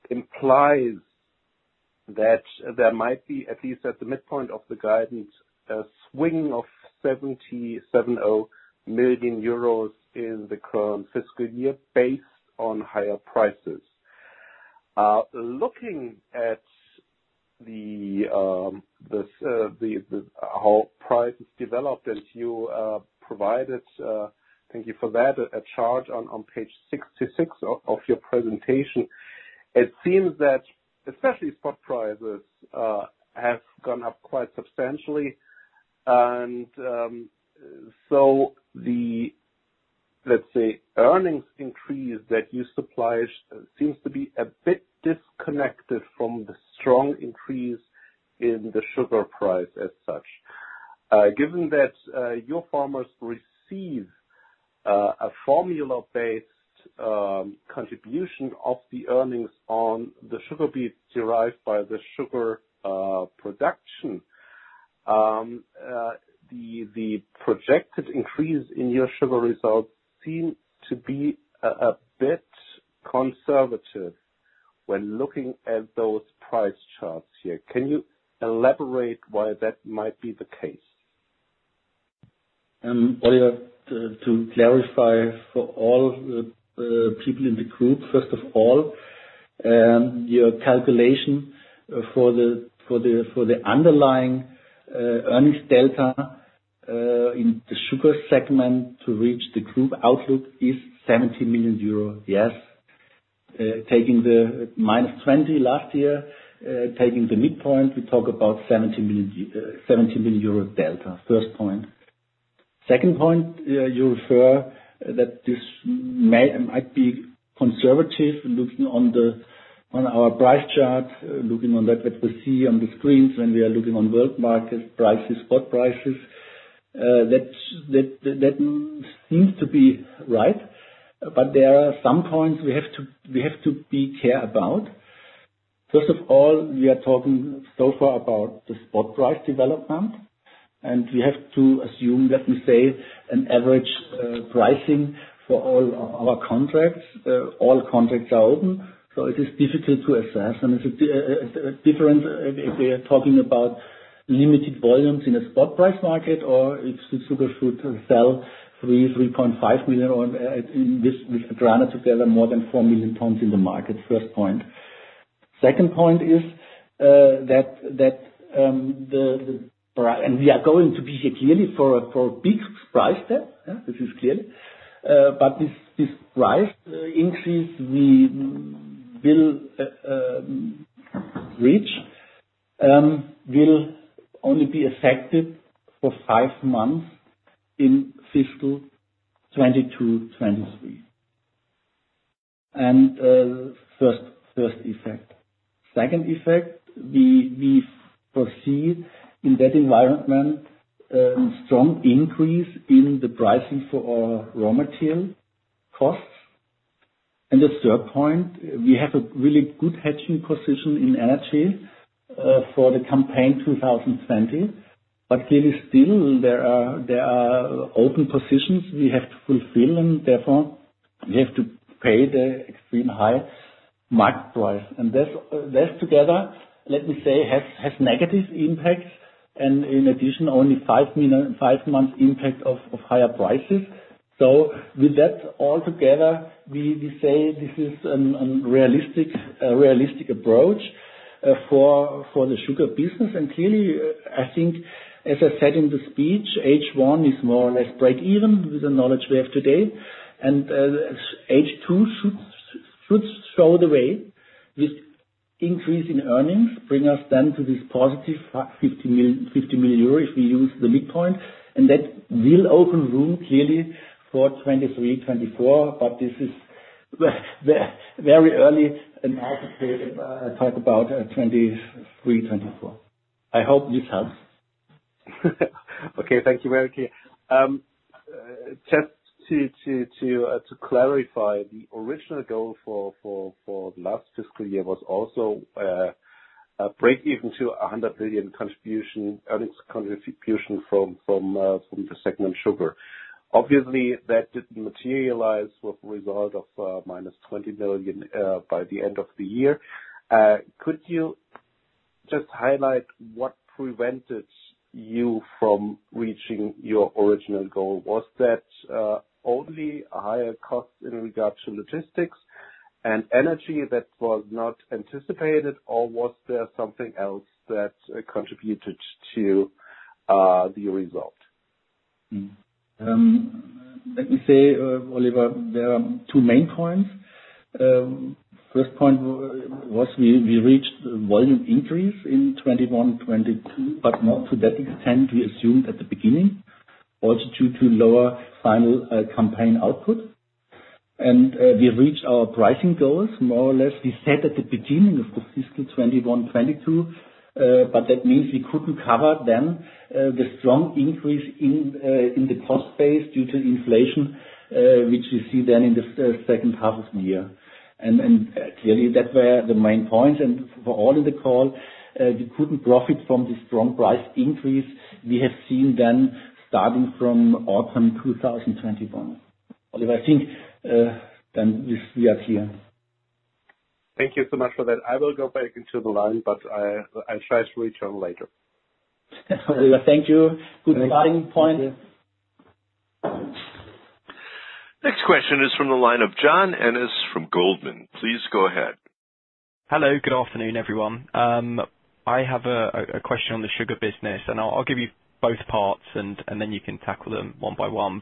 implies that there might be, at least at the midpoint of the guidance, a swing of 77 million euros in the current fiscal year based on higher prices. Looking at how the price is developed as you provided, thank you for that, a chart on page 66 of your presentation, it seems that especially spot prices have gone up quite substantially. So the, let's say, earnings increase that you supplied seems to be a bit disconnected from the strong increase in the sugar price as such. Given that your farmers receive a formula-based contribution of the earnings on the sugar beets derived by the sugar production, the projected increase in your sugar results seems to be a bit conservative when looking at those price charts here. Can you elaborate why that might be the case? Oliver, to clarify for all the people in the group, first of all, your calculation for the underlying earnings delta in the sugar segment to reach the group outlook is 70 million euro, yes. Taking the -20 last year, taking the midpoint, we talk about 70 million euro delta. First point. Second point, you refer that this might be conservative looking at our price chart, looking at that, what we see on the screens when we are looking at world market prices, spot prices. That seems to be right, but there are some points we have to be careful about. First of all, we are talking so far about the spot price development, and we have to assume that we say an average pricing for all our contracts. All contracts are open, so it is difficult to assess. It's a different if we are talking about limited volumes in a spot price market or if the sugar should sell 3.5 million or in this together more than 4 million tons in the market. First point. Second point is that we are going to be here clearly for a big price step, yeah. This is clear. But this price increase we will reach will only be affected for five months in fiscal 2022, 2023. First effect. Second effect, we foresee in that environment a strong increase in the pricing for our raw material costs. The third point, we have a really good hedging position in energy for the campaign 2020, but there are still open positions we have to fulfill, and therefore we have to pay the extremely high market price. That together, let me say, has negative impacts and in addition, only 5 million, five months impact of higher prices. With that altogether, we say this is a realistic approach for the sugar business. Clearly, I think as I said in the speech, H1 is more or less breakeven with the knowledge we have today. H2 should show the way with increase in earnings, bring us then to this positive 50 million euro if we use the midpoint, and that will open room clearly for 2023, 2024, but this is very early in the market period, talk about 2023, 2024. I hope this helps. Okay. Thank you. Very clear. Just to clarify, the original goal for the last fiscal year was also a breakeven to a 100 million earnings contribution from the Sugar Segment. Obviously, that didn't materialize with result of -20 million by the end of the year. Could you just highlight what prevented you from reaching your original goal? Was that only higher costs in regards to logistics and energy that was not anticipated, or was there something else that contributed to the result? Let me say, Oliver, there are two main points. First point was we reached volume increase in 2021/2022, but not to that extent we assumed at the beginning, also due to lower final campaign output. We reached our pricing goals more or less we set at the beginning of the fiscal 2021/2022, but that means we couldn't cover then the strong increase in the cost base due to inflation, which we see then in the second half of the year. Clearly, that were the main points. For all of the call, we couldn't profit from the strong price increase we have seen then starting from Autumn 2021. Oliver, I think then we are here. Thank you so much for that. I will go back into the line, but I try to return later. Oliver, thank you. Good starting point. Thank you. Next question is from the line of John Ennis from Goldman. Please go ahead. Hello, good afternoon, everyone. I have a question on the sugar business, and I'll give you both parts and then you can tackle them one by one.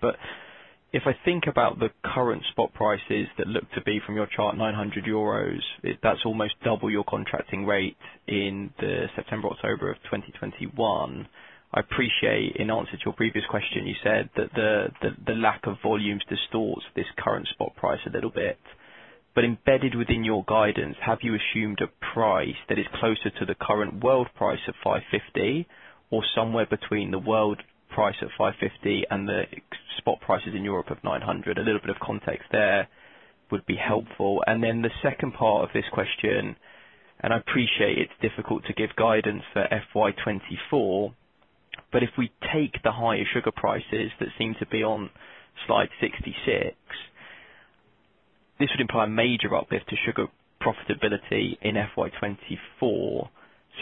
If I think about the current spot prices that look to be from your chart 900 euros, that's almost double your contracting rate in September, October of 2021. I appreciate in answer to your previous question, you said that the lack of volumes distorts this current spot price a little bit. Embedded within your guidance, have you assumed a price that is closer to the current world price of 550, or somewhere between the world price of 550 and the spot prices in Europe of 900? A little bit of context there would be helpful. The second part of this question, and I appreciate it's difficult to give guidance for FY 2024, but if we take the higher sugar prices that seem to be on slide 66, this would imply a major uplift to sugar profitability in FY 2024.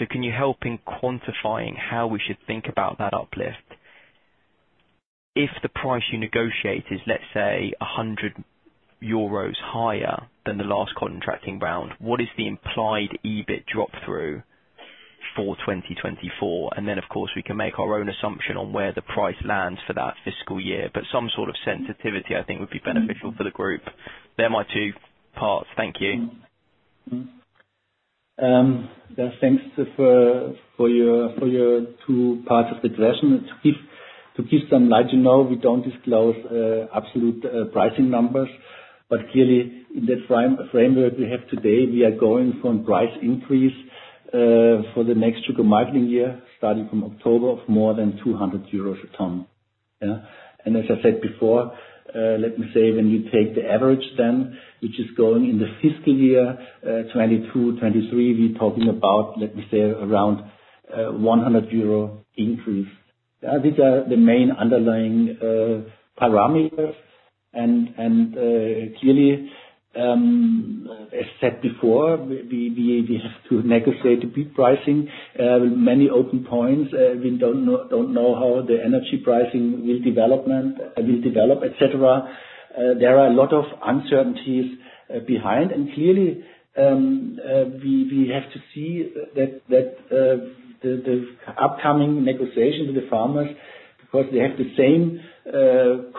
Can you help in quantifying how we should think about that uplift? If the price you negotiate is, let's say, 100 euros higher than the last contracting round, what is the implied EBIT drop-through for 2024? Of course, we can make our own assumption on where the price lands for that fiscal year. Some sort of sensitivity I think would be beneficial for the group. That's my two parts. Thank you. Thanks for your two parts of the question. To give some light, you know, we don't disclose absolute pricing numbers, but clearly in the framework we have today, we are going from price increase for the next sugar marketing year, starting from October of more than 200 euros a ton. Yeah. As I said before, let me say, when you take the average then, which is going in the fiscal year 2022/2023, we're talking about, let me say, around 100 euro increase. These are the main underlying parameters and clearly, as said before, we have to negotiate the beet pricing. Many open points. We don't know how the energy pricing will develop, et cetera. There are a lot of uncertainties behind. Clearly, we have to see that the upcoming negotiations with the farmers, because they have the same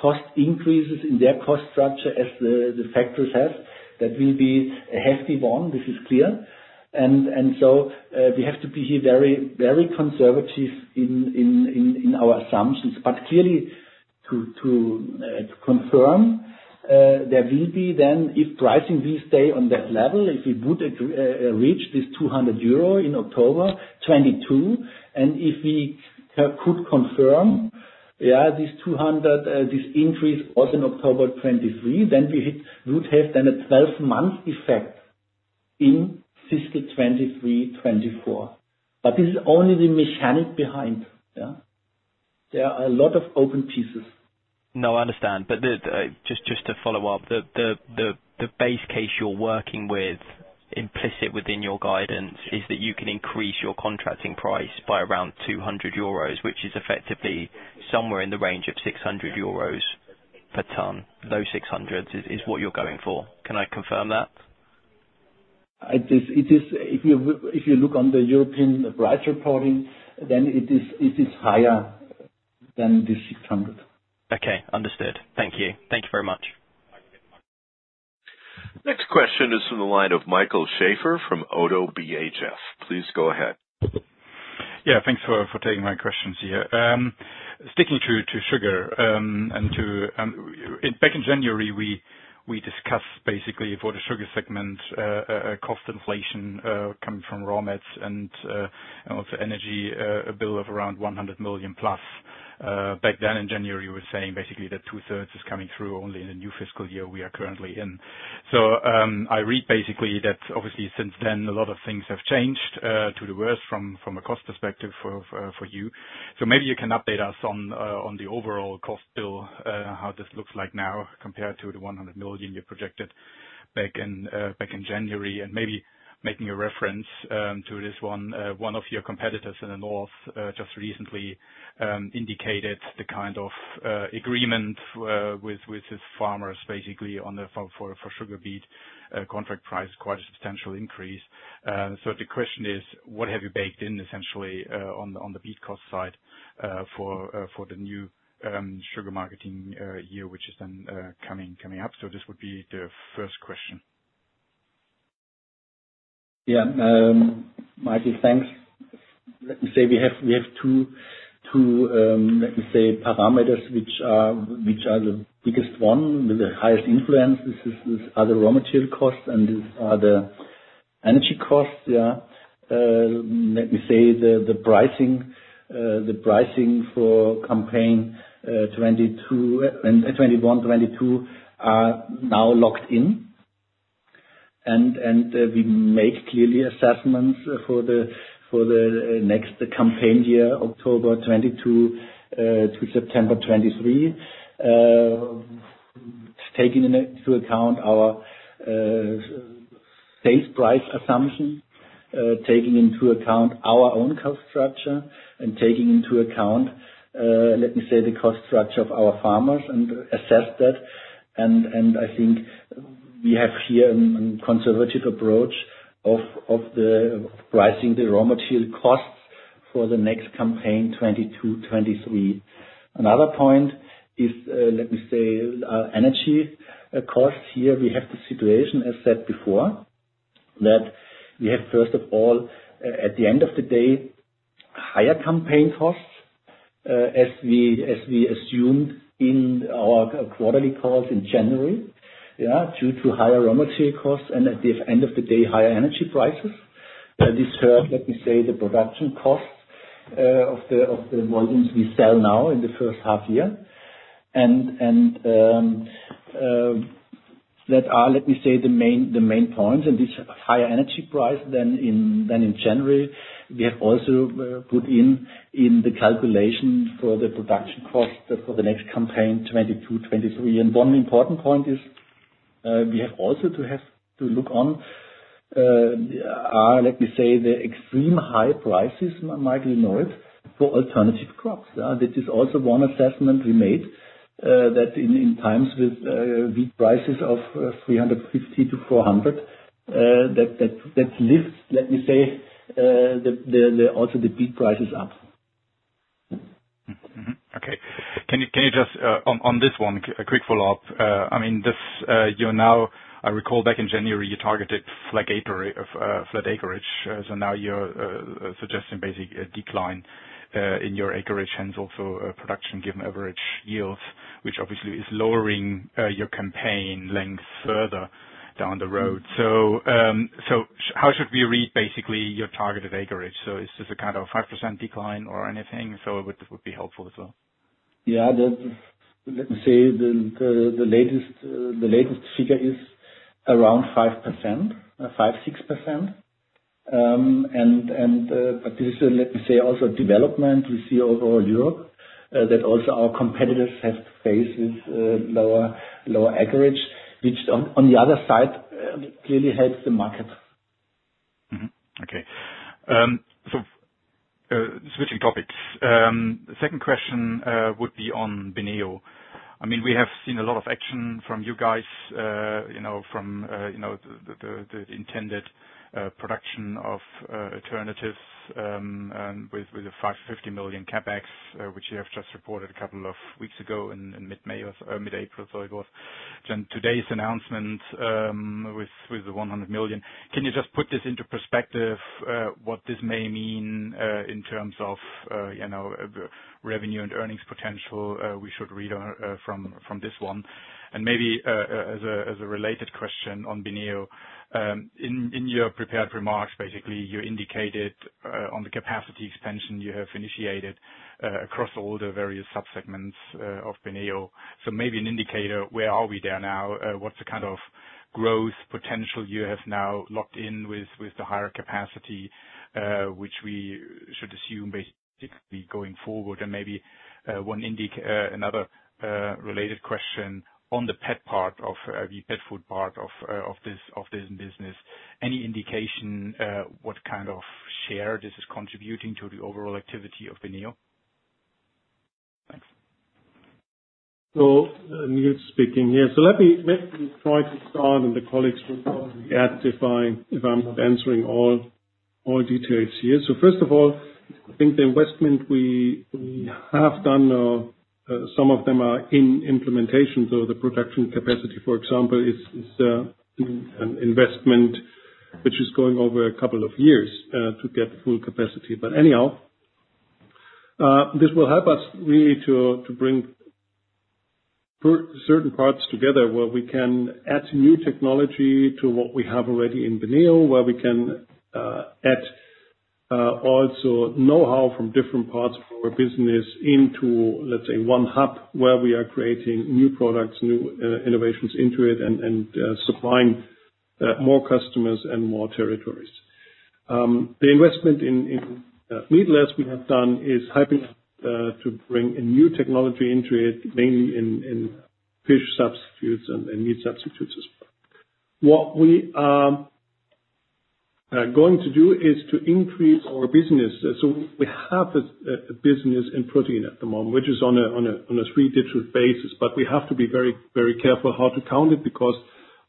cost increases in their cost structure as the factors have. That will be a hefty one, this is clear. We have to be very, very conservative in our assumptions. Clearly, to confirm, there will be then if pricing will stay on that level, if we would reach this 200 euro in October 2022, and if we could confirm, yeah, this 200, this increase also in October 2023, then we would have then a 12-month effect in fiscal 2023, 2024. This is only the mechanic behind. Yeah. There are a lot of open pieces. No, I understand. Just to follow up. The base case you're working with implicit within your guidance is that you can increase your contracting price by around 200 euros, which is effectively somewhere in the range of 600 euros per ton. Low EUR 600s is what you're going for. Can I confirm that? It is. If you look on the European price reporting, then it is higher than 600. Okay, understood. Thank you. Thank you very much. Next question is from the line of Michael Schäfer from ODDO BHF. Please go ahead. Yeah, thanks for taking my questions here. Sticking to sugar, and back in January, we discussed basically for the Sugar Segment a cost inflation coming from raw materials and also energy, a bill of around 100 million+. Back then in January, you were saying basically that 2/3 is coming through only in the new fiscal year we are currently in. I read basically that obviously since then, a lot of things have changed for the worse from a cost perspective for you. Maybe you can update us on the overall cost bill, how this looks like now compared to the 100 million you projected back in January. Maybe making a reference to this one of your competitors in the North just recently indicated the kind of agreement with his farmers basically on the for sugar beet contract price, quite a substantial increase. The question is, what have you baked in essentially on the beet cost side for the new sugar marketing year, which is then coming up? This would be the first question. Michael, thanks. Let me say we have two parameters, which are the biggest one with the highest influence. This is the raw material costs and the energy costs. Let me say the pricing for campaign 2021/2022 are now locked in. We make clear assessments for the next campaign year, October 2022 to September 2023. Taking into account our sales price assumption, taking into account our own cost structure and taking into account the cost structure of our farmers and assess that. I think we have here a conservative approach of the pricing, the raw material costs for the next campaign, 2022/2023. Another point is, let me say, our energy costs here, we have the situation, as said before, that we have, first of all, at the end of the day, higher campaign costs, as we assumed in our quarterly calls in January, yeah, due to higher raw material costs, and at the end of the day, higher energy prices. This hurt, let me say, the production costs, of the volumes we sell now in the first half year. That are, let me say, the main points and which higher energy price than in January. We have also put in the calculation for the production cost for the next campaign, 2022/ 2023. One important point is we have also to look on, let me say, the extreme high prices might ignore it for alternative crops. This is also one assessment we made, that in times with wheat prices of 350-400, that lifts, let me say, also the wheat prices up. Okay. Can you just on this one a quick follow-up. I mean, this, you're now. I recall back in January, you targeted flat acreage. Now you're suggesting basically a decline in your acreage and also production given average yields, which obviously is lowering your campaign length further down the road. How should we read basically your target of acreage? Is this a kind of 5% decline or anything? It would be helpful as well. Yeah. Let me say, the latest figure is around 5%, 5%-6%. This is, let me say, also development we see over Europe, that also our competitors have to face with lower acreage, which on the other side clearly helps the market. Mm-hmm. Okay. Switching topics. The second question would be on BENEO. I mean, we have seen a lot of action from you guys, you know, the intended production of alternatives, and with the 550 million CapEx, which you have just reported a couple of weeks ago in mid-May or mid-April, sorry, Mm-hmm. Today's announcement with the 100 million. Can you just put this into perspective what this may mean in terms of you know revenue and earnings potential we should read from this one? And maybe as a related question on BENEO in your prepared remarks basically you indicated on the capacity expansion you have initiated across all the various subsegments of BENEO. So maybe an indicator where are we there now? What's the kind of growth potential you have now locked in with the higher capacity which we should assume basically going forward? And maybe another related question on the pet part of the pet food part of this business. Any indication, what kind of share this is contributing to the overall activity of BENEO? Thanks. Niels speaking here. Let me try to start, and the colleagues will probably add if I'm not answering all details here. First of all, I think the investment we have done, some of them are in implementation. The production capacity, for example, is an investment which is going over a couple of years to get full capacity. Anyhow, this will help us really to bring certain parts together, where we can add new technology to what we have already in BENEO, where we can add also know-how from different parts of our business into, let's say, one hub, where we are creating new products, new innovations into it and supplying more customers and more territories. The investment in Meatless we have done is helping us to bring a new technology into it, mainly in fish substitutes and meat substitutes as well. What we are going to do is to increase our business. We have a business in protein at the moment, which is on a three-digit basis, but we have to be very careful how to count it, because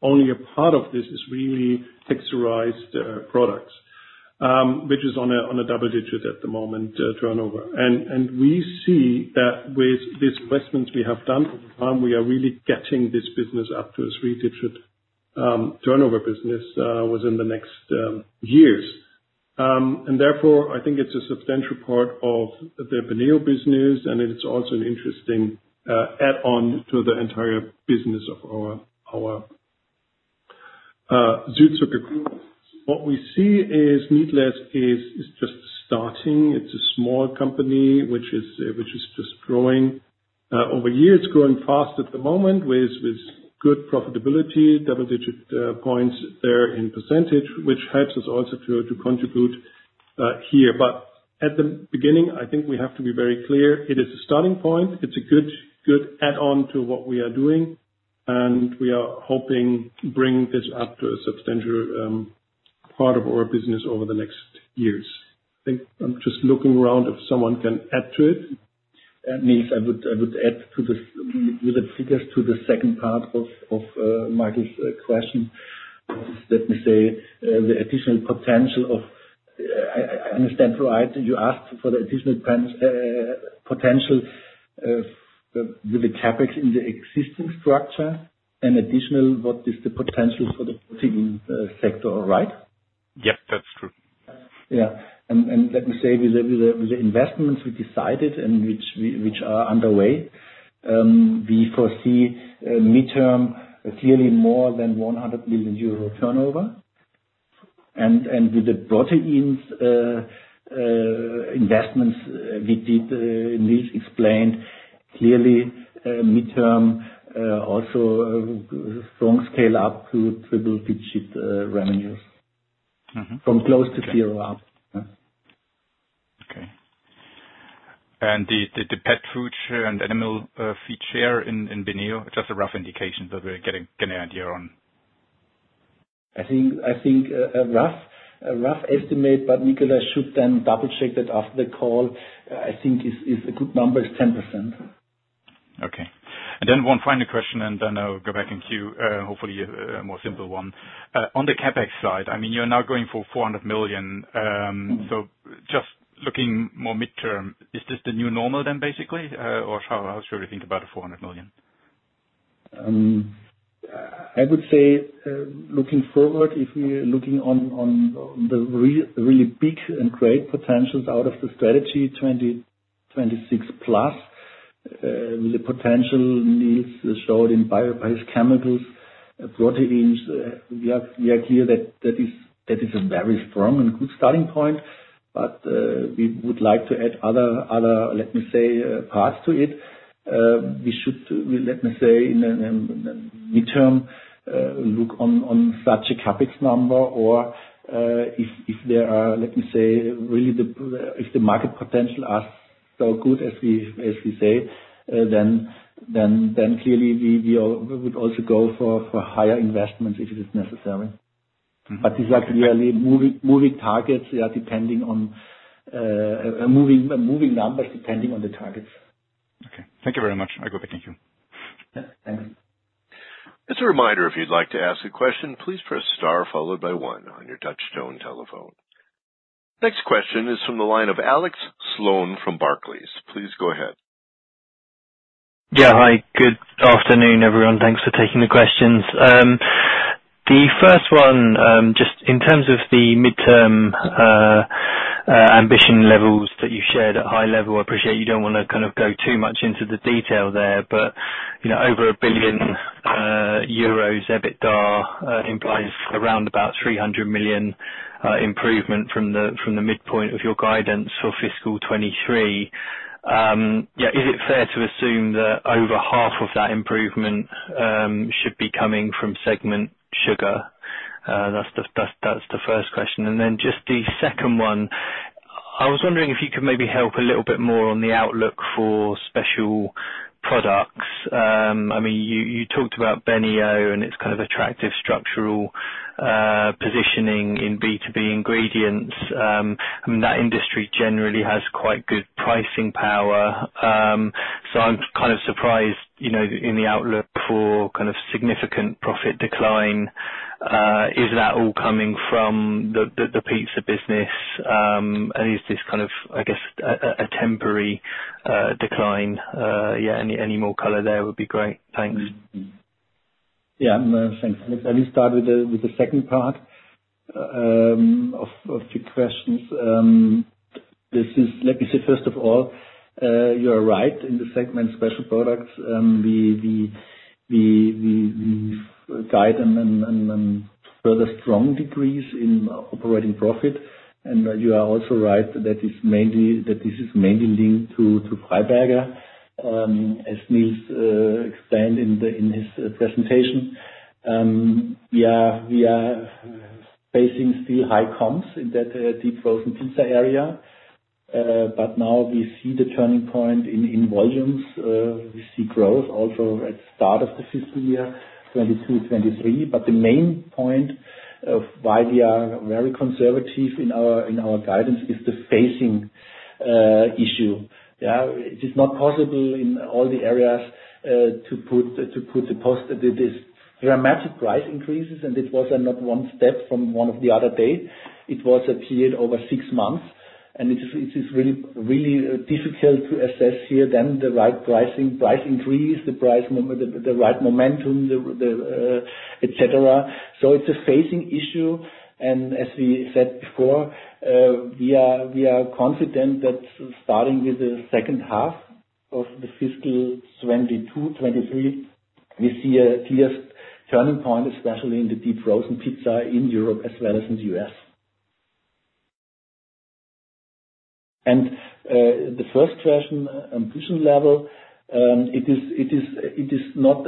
only a part of this is really texturized products, which is on a double-digit at the moment turnover. We see that with these investments we have done over time, we are really getting this business up to a three-digit turnover business within the next years. I think it's a substantial part of the BENEO business, and it is also an interesting add-on to the entire business of our Südzucker Group. What we see is Meatless is just starting. It's a small company which is just growing. Over years, growing fast at the moment with good profitability, double-digit percentage points, which helps us also to contribute here. At the beginning, I think we have to be very clear, it is a starting point. It's a good add-on to what we are doing, and we are hoping to bring this up to a substantial part of our business over the next years. I think I'm just looking around if someone can add to it. Niels, I would add with the figures to the second part of Michael's question. Let me say the additional potential of. I understand right, you asked for the additional potential of the with the CapEx in the existing structure and additional, what is the potential for the protein sector, right? Yes, that's true. Yeah. Let me say, with the investments we decided and which are underway, we foresee a midterm clearly more than 100 million euro turnover. With the proteins investments we did, Niels explained clearly, midterm also strong scaleup to triple digit revenues. Mm-hmm. From close to zero up. Yeah. Okay. The pet food share and animal feed share in BENEO, just a rough indication that we're getting an idea on. I think a rough estimate, but Nicholas should then double-check that after the call. I think is a good number, is 10%. Okay. One final question, and then I'll go back in queue, hopefully a more simple one. On the CapEx side, I mean, you're now going for 400 million, so just looking more midterm, is this the new normal then basically, or how should we think about the 400 million? I would say, looking forward, if we're looking on the real big and great potentials out of the Strategy 2026 PLUS, with the potential needs shown in biochemicals, proteins, we are clear that that is a very strong and good starting point. We would like to add other, let me say, parts to it. We should, let me say in the midterm, look on such a CapEx number or, if there are, let me say, really the, if the market potential are so good as we say, then clearly we would also go for higher investments if it is necessary. Mm-hmm. These are clearly moving targets, yeah, depending on moving numbers, depending on the targets. Okay. Thank you very much. I go back in queue. Yeah. Thank you. As a reminder, if you'd like to ask a question, please press star followed by one on your touchtone telephone. Next question is from the line of Alex Sloane from Barclays. Please go ahead. Yeah. Hi, good afternoon, everyone. Thanks for taking the questions. The first one, just in terms of the mid-term ambition levels that you shared at high level, I appreciate you don't wanna kind of go too much into the detail there, but you know, over 1 billion euros EBITDA implies around about 300 million improvement from the midpoint of your guidance for fiscal 2023. Yeah, is it fair to assume that over half of that improvement should be coming from Sugar Segment? That's the first question. Just the second one, I was wondering if you could maybe help a little bit more on the outlook for Special Products. I mean, you talked about BENEO and its kind of attractive structural positioning in B2B ingredients. I mean, that industry generally has quite good pricing power. I'm kind of surprised, you know, in the outlook for kind of significant profit decline. Is that all coming from the pizza business? Is this kind of, I guess, a temporary decline? Yeah, any more color there would be great. Thanks. Yeah. No, thanks. Let me start with the second part of your questions. Let me say, first of all, you are right. In the Special Products segment, we guide a further strong decrease in operating profit. You are also right that this is mainly linked to Freiberger, as Niels explained in his presentation. We are facing still high comps in that deep frozen pizza area, but now we see the turning point in volumes. We see growth also at start of the fiscal year 2022/2023. The main point of why we are very conservative in our guidance is the phasing issue. Yeah. It is not possible in all the areas to put the cost with this dramatic price increases, and it was not one step from one day to the other. It was a period over six months, and it is really difficult to assess the right pricing, price increase, et cetera. It's a phasing issue, and as we said before, we are confident that starting with the second half of the fiscal 2022/2023, we see a clear turning point, especially in the deep-frozen pizza in Europe as well as in U.S. The first question on input level, it is not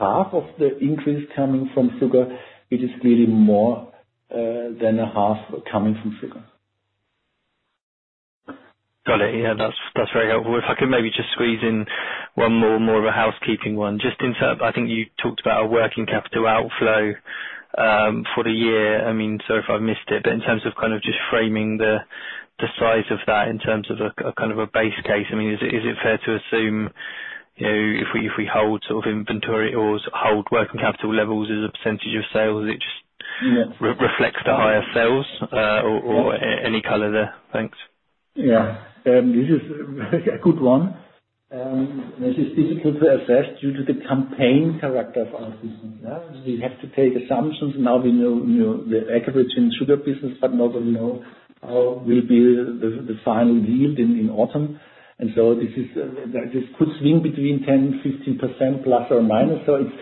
half of the increase coming from sugar, it is really more than half coming from sugar. Got it. Yeah. That's very helpful. If I could maybe just squeeze in one more of a housekeeping one. I think you talked about a working capital outflow for the year. I mean, sorry if I've missed it, but in terms of kind of just framing the size of that in terms of a kind of a base case, I mean, is it fair to assume, you know, if we hold sort of inventory or hold working capital levels as a percentage of sales, it just. Yeah. Reflects the higher sales, or any color there? Thanks. This is a good one, and it is difficult to assess due to the campaign character of our business. We have to take assumptions. Now we know the aggregate in sugar business, but nobody know how will be the final yield in autumn. This could swing between ±10% to ±15%. It's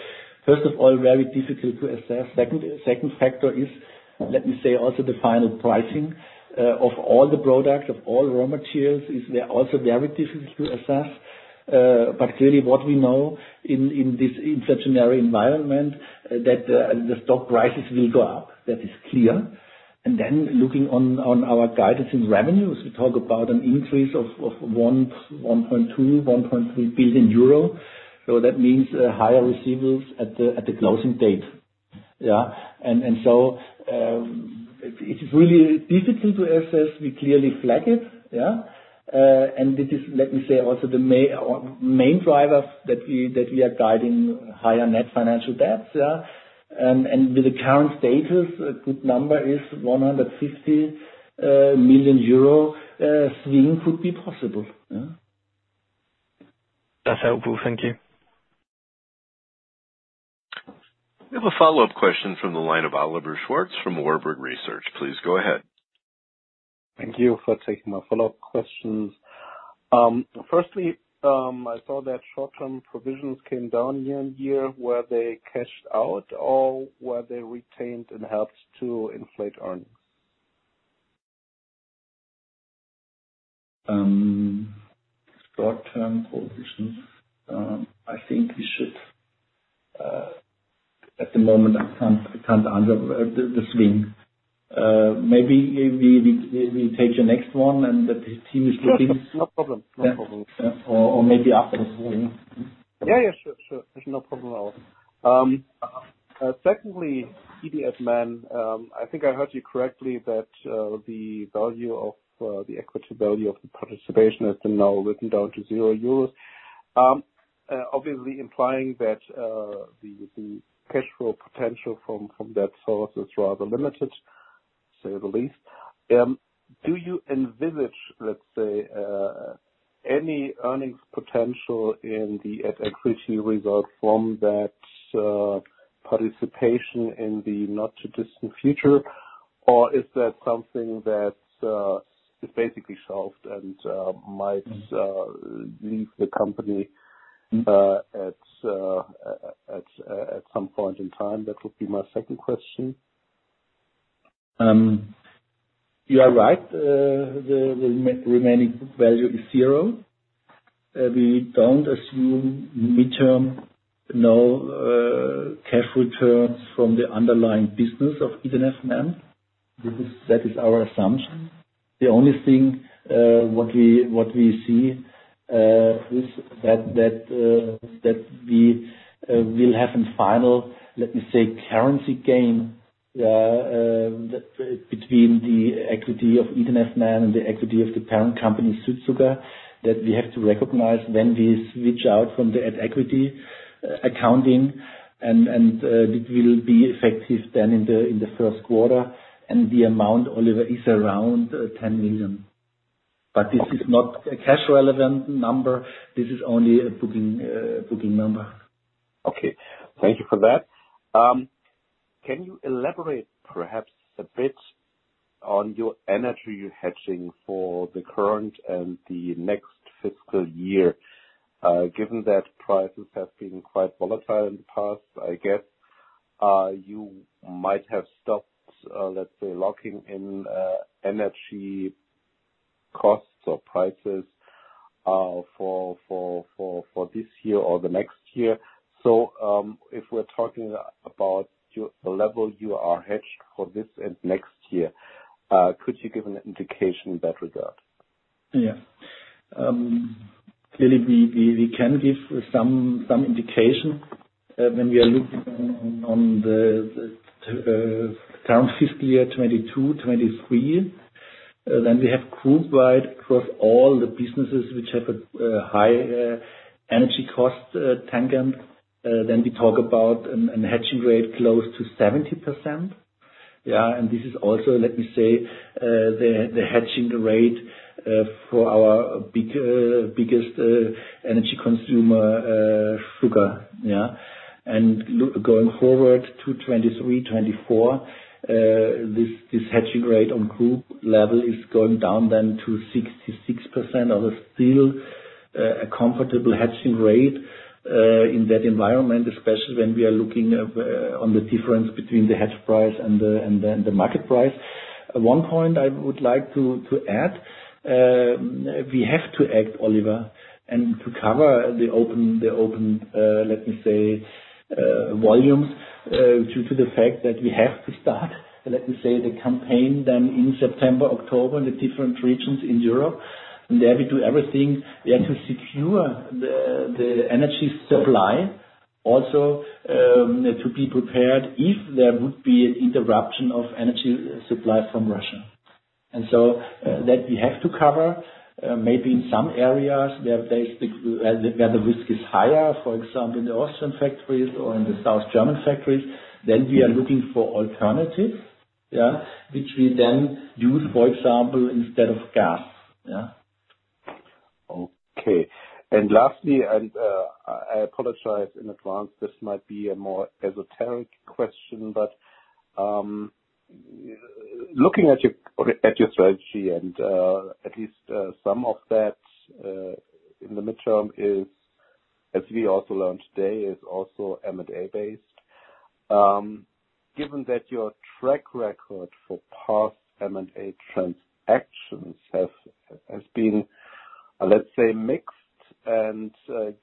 first of all, very difficult to assess. Second factor is, let me say also the final pricing of all the products, of all raw materials, is they're also very difficult to assess. But really what we know in such a narrow environment that the stock prices will go up. That is clear. Looking on our guidance in revenues, we talk about an increase of 1.2 billion-1.3 billion euro. That means higher receivables at the closing date. Yeah. It's really difficult to assess. We clearly flag it, yeah. This is, let me say, also the main driver that we are guiding higher net financial debts, yeah. With the current status, a good number is 150 million euro swing could be possible. Yeah. That's helpful. Thank you. We have a follow-up question from the line of Oliver Schwarz from Warburg Research. Please go ahead. Thank you for taking my follow-up questions. Firstly, I saw that short-term provisions came down year on year. Were they cashed out or were they retained and helped to inflate earnings? Short-term provisions. I think we should, at the moment, I can't answer the swing. Maybe if we take the next one and the team is looking- Sure. No problem. Maybe after the swing. Yeah. Sure. It's no problem at all. Secondly, ED&F Man, I think I heard you correctly that the value of the equity value of the participation has been now written down to 0 euros, obviously implying that the cash flow potential from that source is rather limited, to say the least. Do you envisage, let's say, any earnings potential in the at equity result from that participation in the not-too-distant future? Or is that something that is basically solved and might leave the company at some point in time? That would be my second question. You are right. The remaining value is zero. We don't assume midterm cash returns from the underlying business of ED&F Man. That is our assumption. The only thing what we see is that we will have a final, let me say, currency gain between the equity of ED&F Man and the equity of the parent company, Südzucker, that we have to recognize when we switch out from the at equity accounting and it will be effective then in the first quarter. The amount, Oliver, is around 10 million. But this is not a cash relevant number. This is only a booking number. Okay. Thank you for that. Can you elaborate perhaps a bit on your energy hedging for the current and the next fiscal year? Given that prices have been quite volatile in the past, I guess you might have stopped, let's say, locking in energy costs or prices for this year or the next year. If we're talking about your level you are hedged for this and next year, could you give an indication in that regard? Clearly, we can give some indication when we are looking at the current fiscal year 2022/2023. Then we have group-wide across all the businesses which have a high energy cost component. Then we talk about a hedging rate close to 70%. This is also, let me say, the hedging rate for our biggest energy consumer, sugar. Going forward to 2023/2024, this hedging rate on group level is going down to 66%. Although still a comfortable hedging rate in that environment, especially when we are looking at the difference between the hedge price and the market price. One point I would like to add, we have to act, Oliver, and to cover the open, let me say, volumes due to the fact that we have to start, let me say, the campaign then in September, October, the different regions in Europe. There we do everything we have to secure the energy supply also to be prepared if there would be interruption of energy supply from Russia. So that we have to cover maybe in some areas where the risk is higher, for example, in the Austrian factories or in the South German factories, then we are looking for alternatives, yeah, which we then use, for example, instead of gas. Yeah. Okay. Lastly, I apologize in advance, this might be a more esoteric question, but looking at your strategy and at least some of that in the midterm is, as we also learned today, also M&A based. Given that your track record for past M&A transactions has been, let's say, mixed, and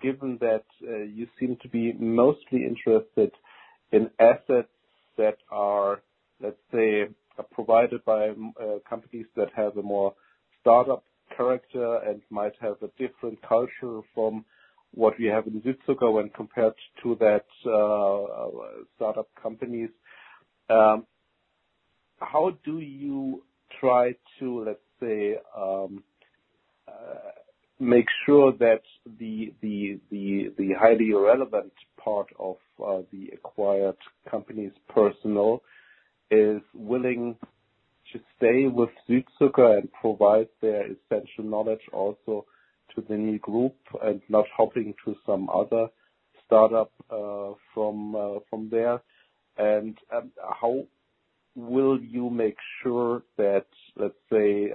given that you seem to be mostly interested in assets that are, let's say, provided by companies that have a more startup character and might have a different culture from what we have in Südzucker when compared to that, startup companies, how do you try to, let's say, make sure that the highly relevant part of the acquired company's personnel is willing to stay with Südzucker and provide their essential knowledge also to the new group and not hopping to some other startup from there? How will you make sure that, let's say,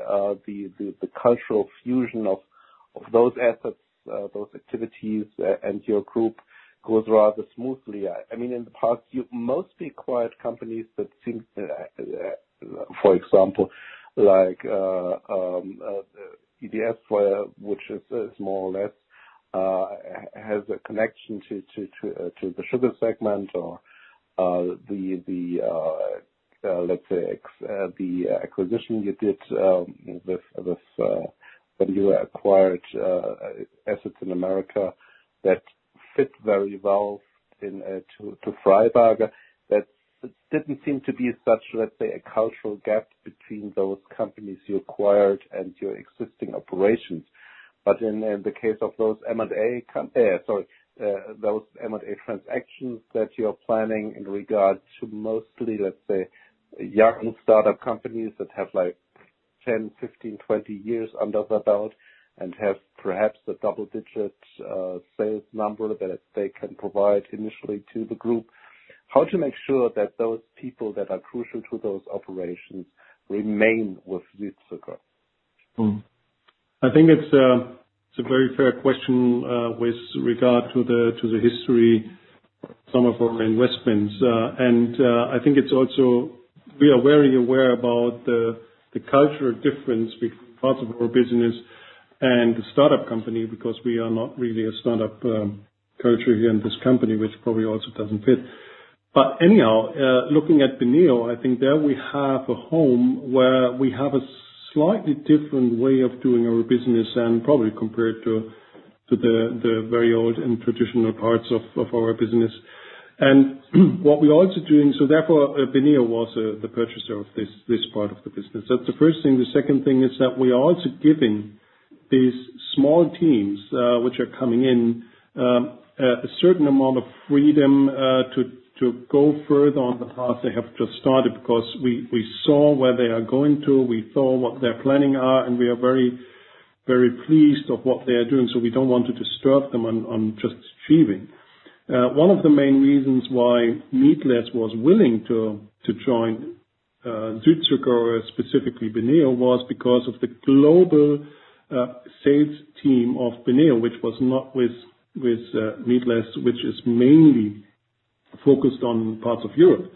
the cultural fusion of those assets, those activities and your group goes rather smoothly? I mean, in the past, you've mostly acquired companies that seem, for example, like, ED&F Man, which is more or less has a connection to the Sugar Segment or the, let's say, the acquisition you did with when you acquired assets in America that fit very well in to Freiberger, that didn't seem to be such, let's say, a cultural gap between those companies you acquired and your existing operations. In the case of those M&A transactions that you're planning in regard to mostly, let's say, young startup companies that have, like, 10, 15, 20 years under the belt and have perhaps a double-digit sales number that they can provide initially to the group. How to make sure that those people that are crucial to those operations remain with Südzucker? I think it's a very fair question with regard to the history, some of our investments. I think we are also very aware about the cultural difference between parts of our business and the startup company, because we are not really a startup culture here in this company, which probably also doesn't fit. Anyhow, looking at BENEO, I think there we have a home where we have a slightly different way of doing our business and probably compared to the very old and traditional parts of our business. What we're also doing, so therefore, BENEO was the purchaser of this part of the business. That's the first thing. The second thing is that we are also giving these small teams, which are coming in, a certain amount of freedom, to go further on the path they have just started because we saw where they are going to, we saw what their planning are, and we are very, very pleased of what they are doing, so we don't want to disturb them on just achieving. One of the main reasons why Meatless was willing to join, Südzucker, specifically BENEO, was because of the global sales team of BENEO, which was not with Meatless, which is mainly focused on parts of Europe.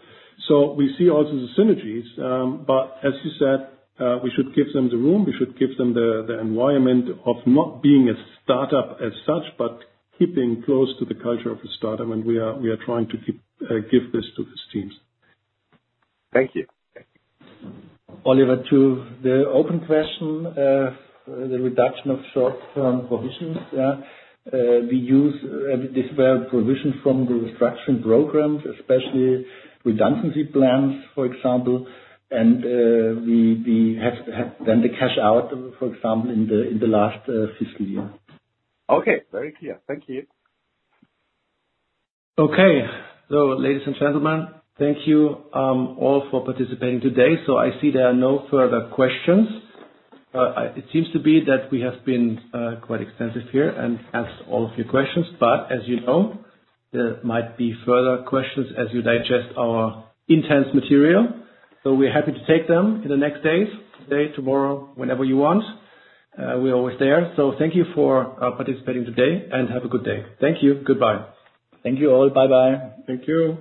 We see also the synergies, but as you said, we should give them the room, the environment of not being a startup as such, but keeping close to the culture of a startup, and we are trying to give this to these teams. Thank you. Oliver, to the open question, the reduction of short-term provisions. We use this provision from the restructuring programs, especially redundancy plans, for example, and we have to have then the cash out, for example, in the last fiscal year. Okay. Very clear. Thank you. Okay. Ladies and gentlemen, thank you all for participating today. I see there are no further questions. It seems to be that we have been quite extensive here and answered all of your questions. As you know, there might be further questions as you digest our intense material. We're happy to take them in the next days, today, tomorrow, whenever you want. We're always there. Thank you for participating today, and have a good day. Thank you. Goodbye. Thank you all. Bye-bye. Thank you.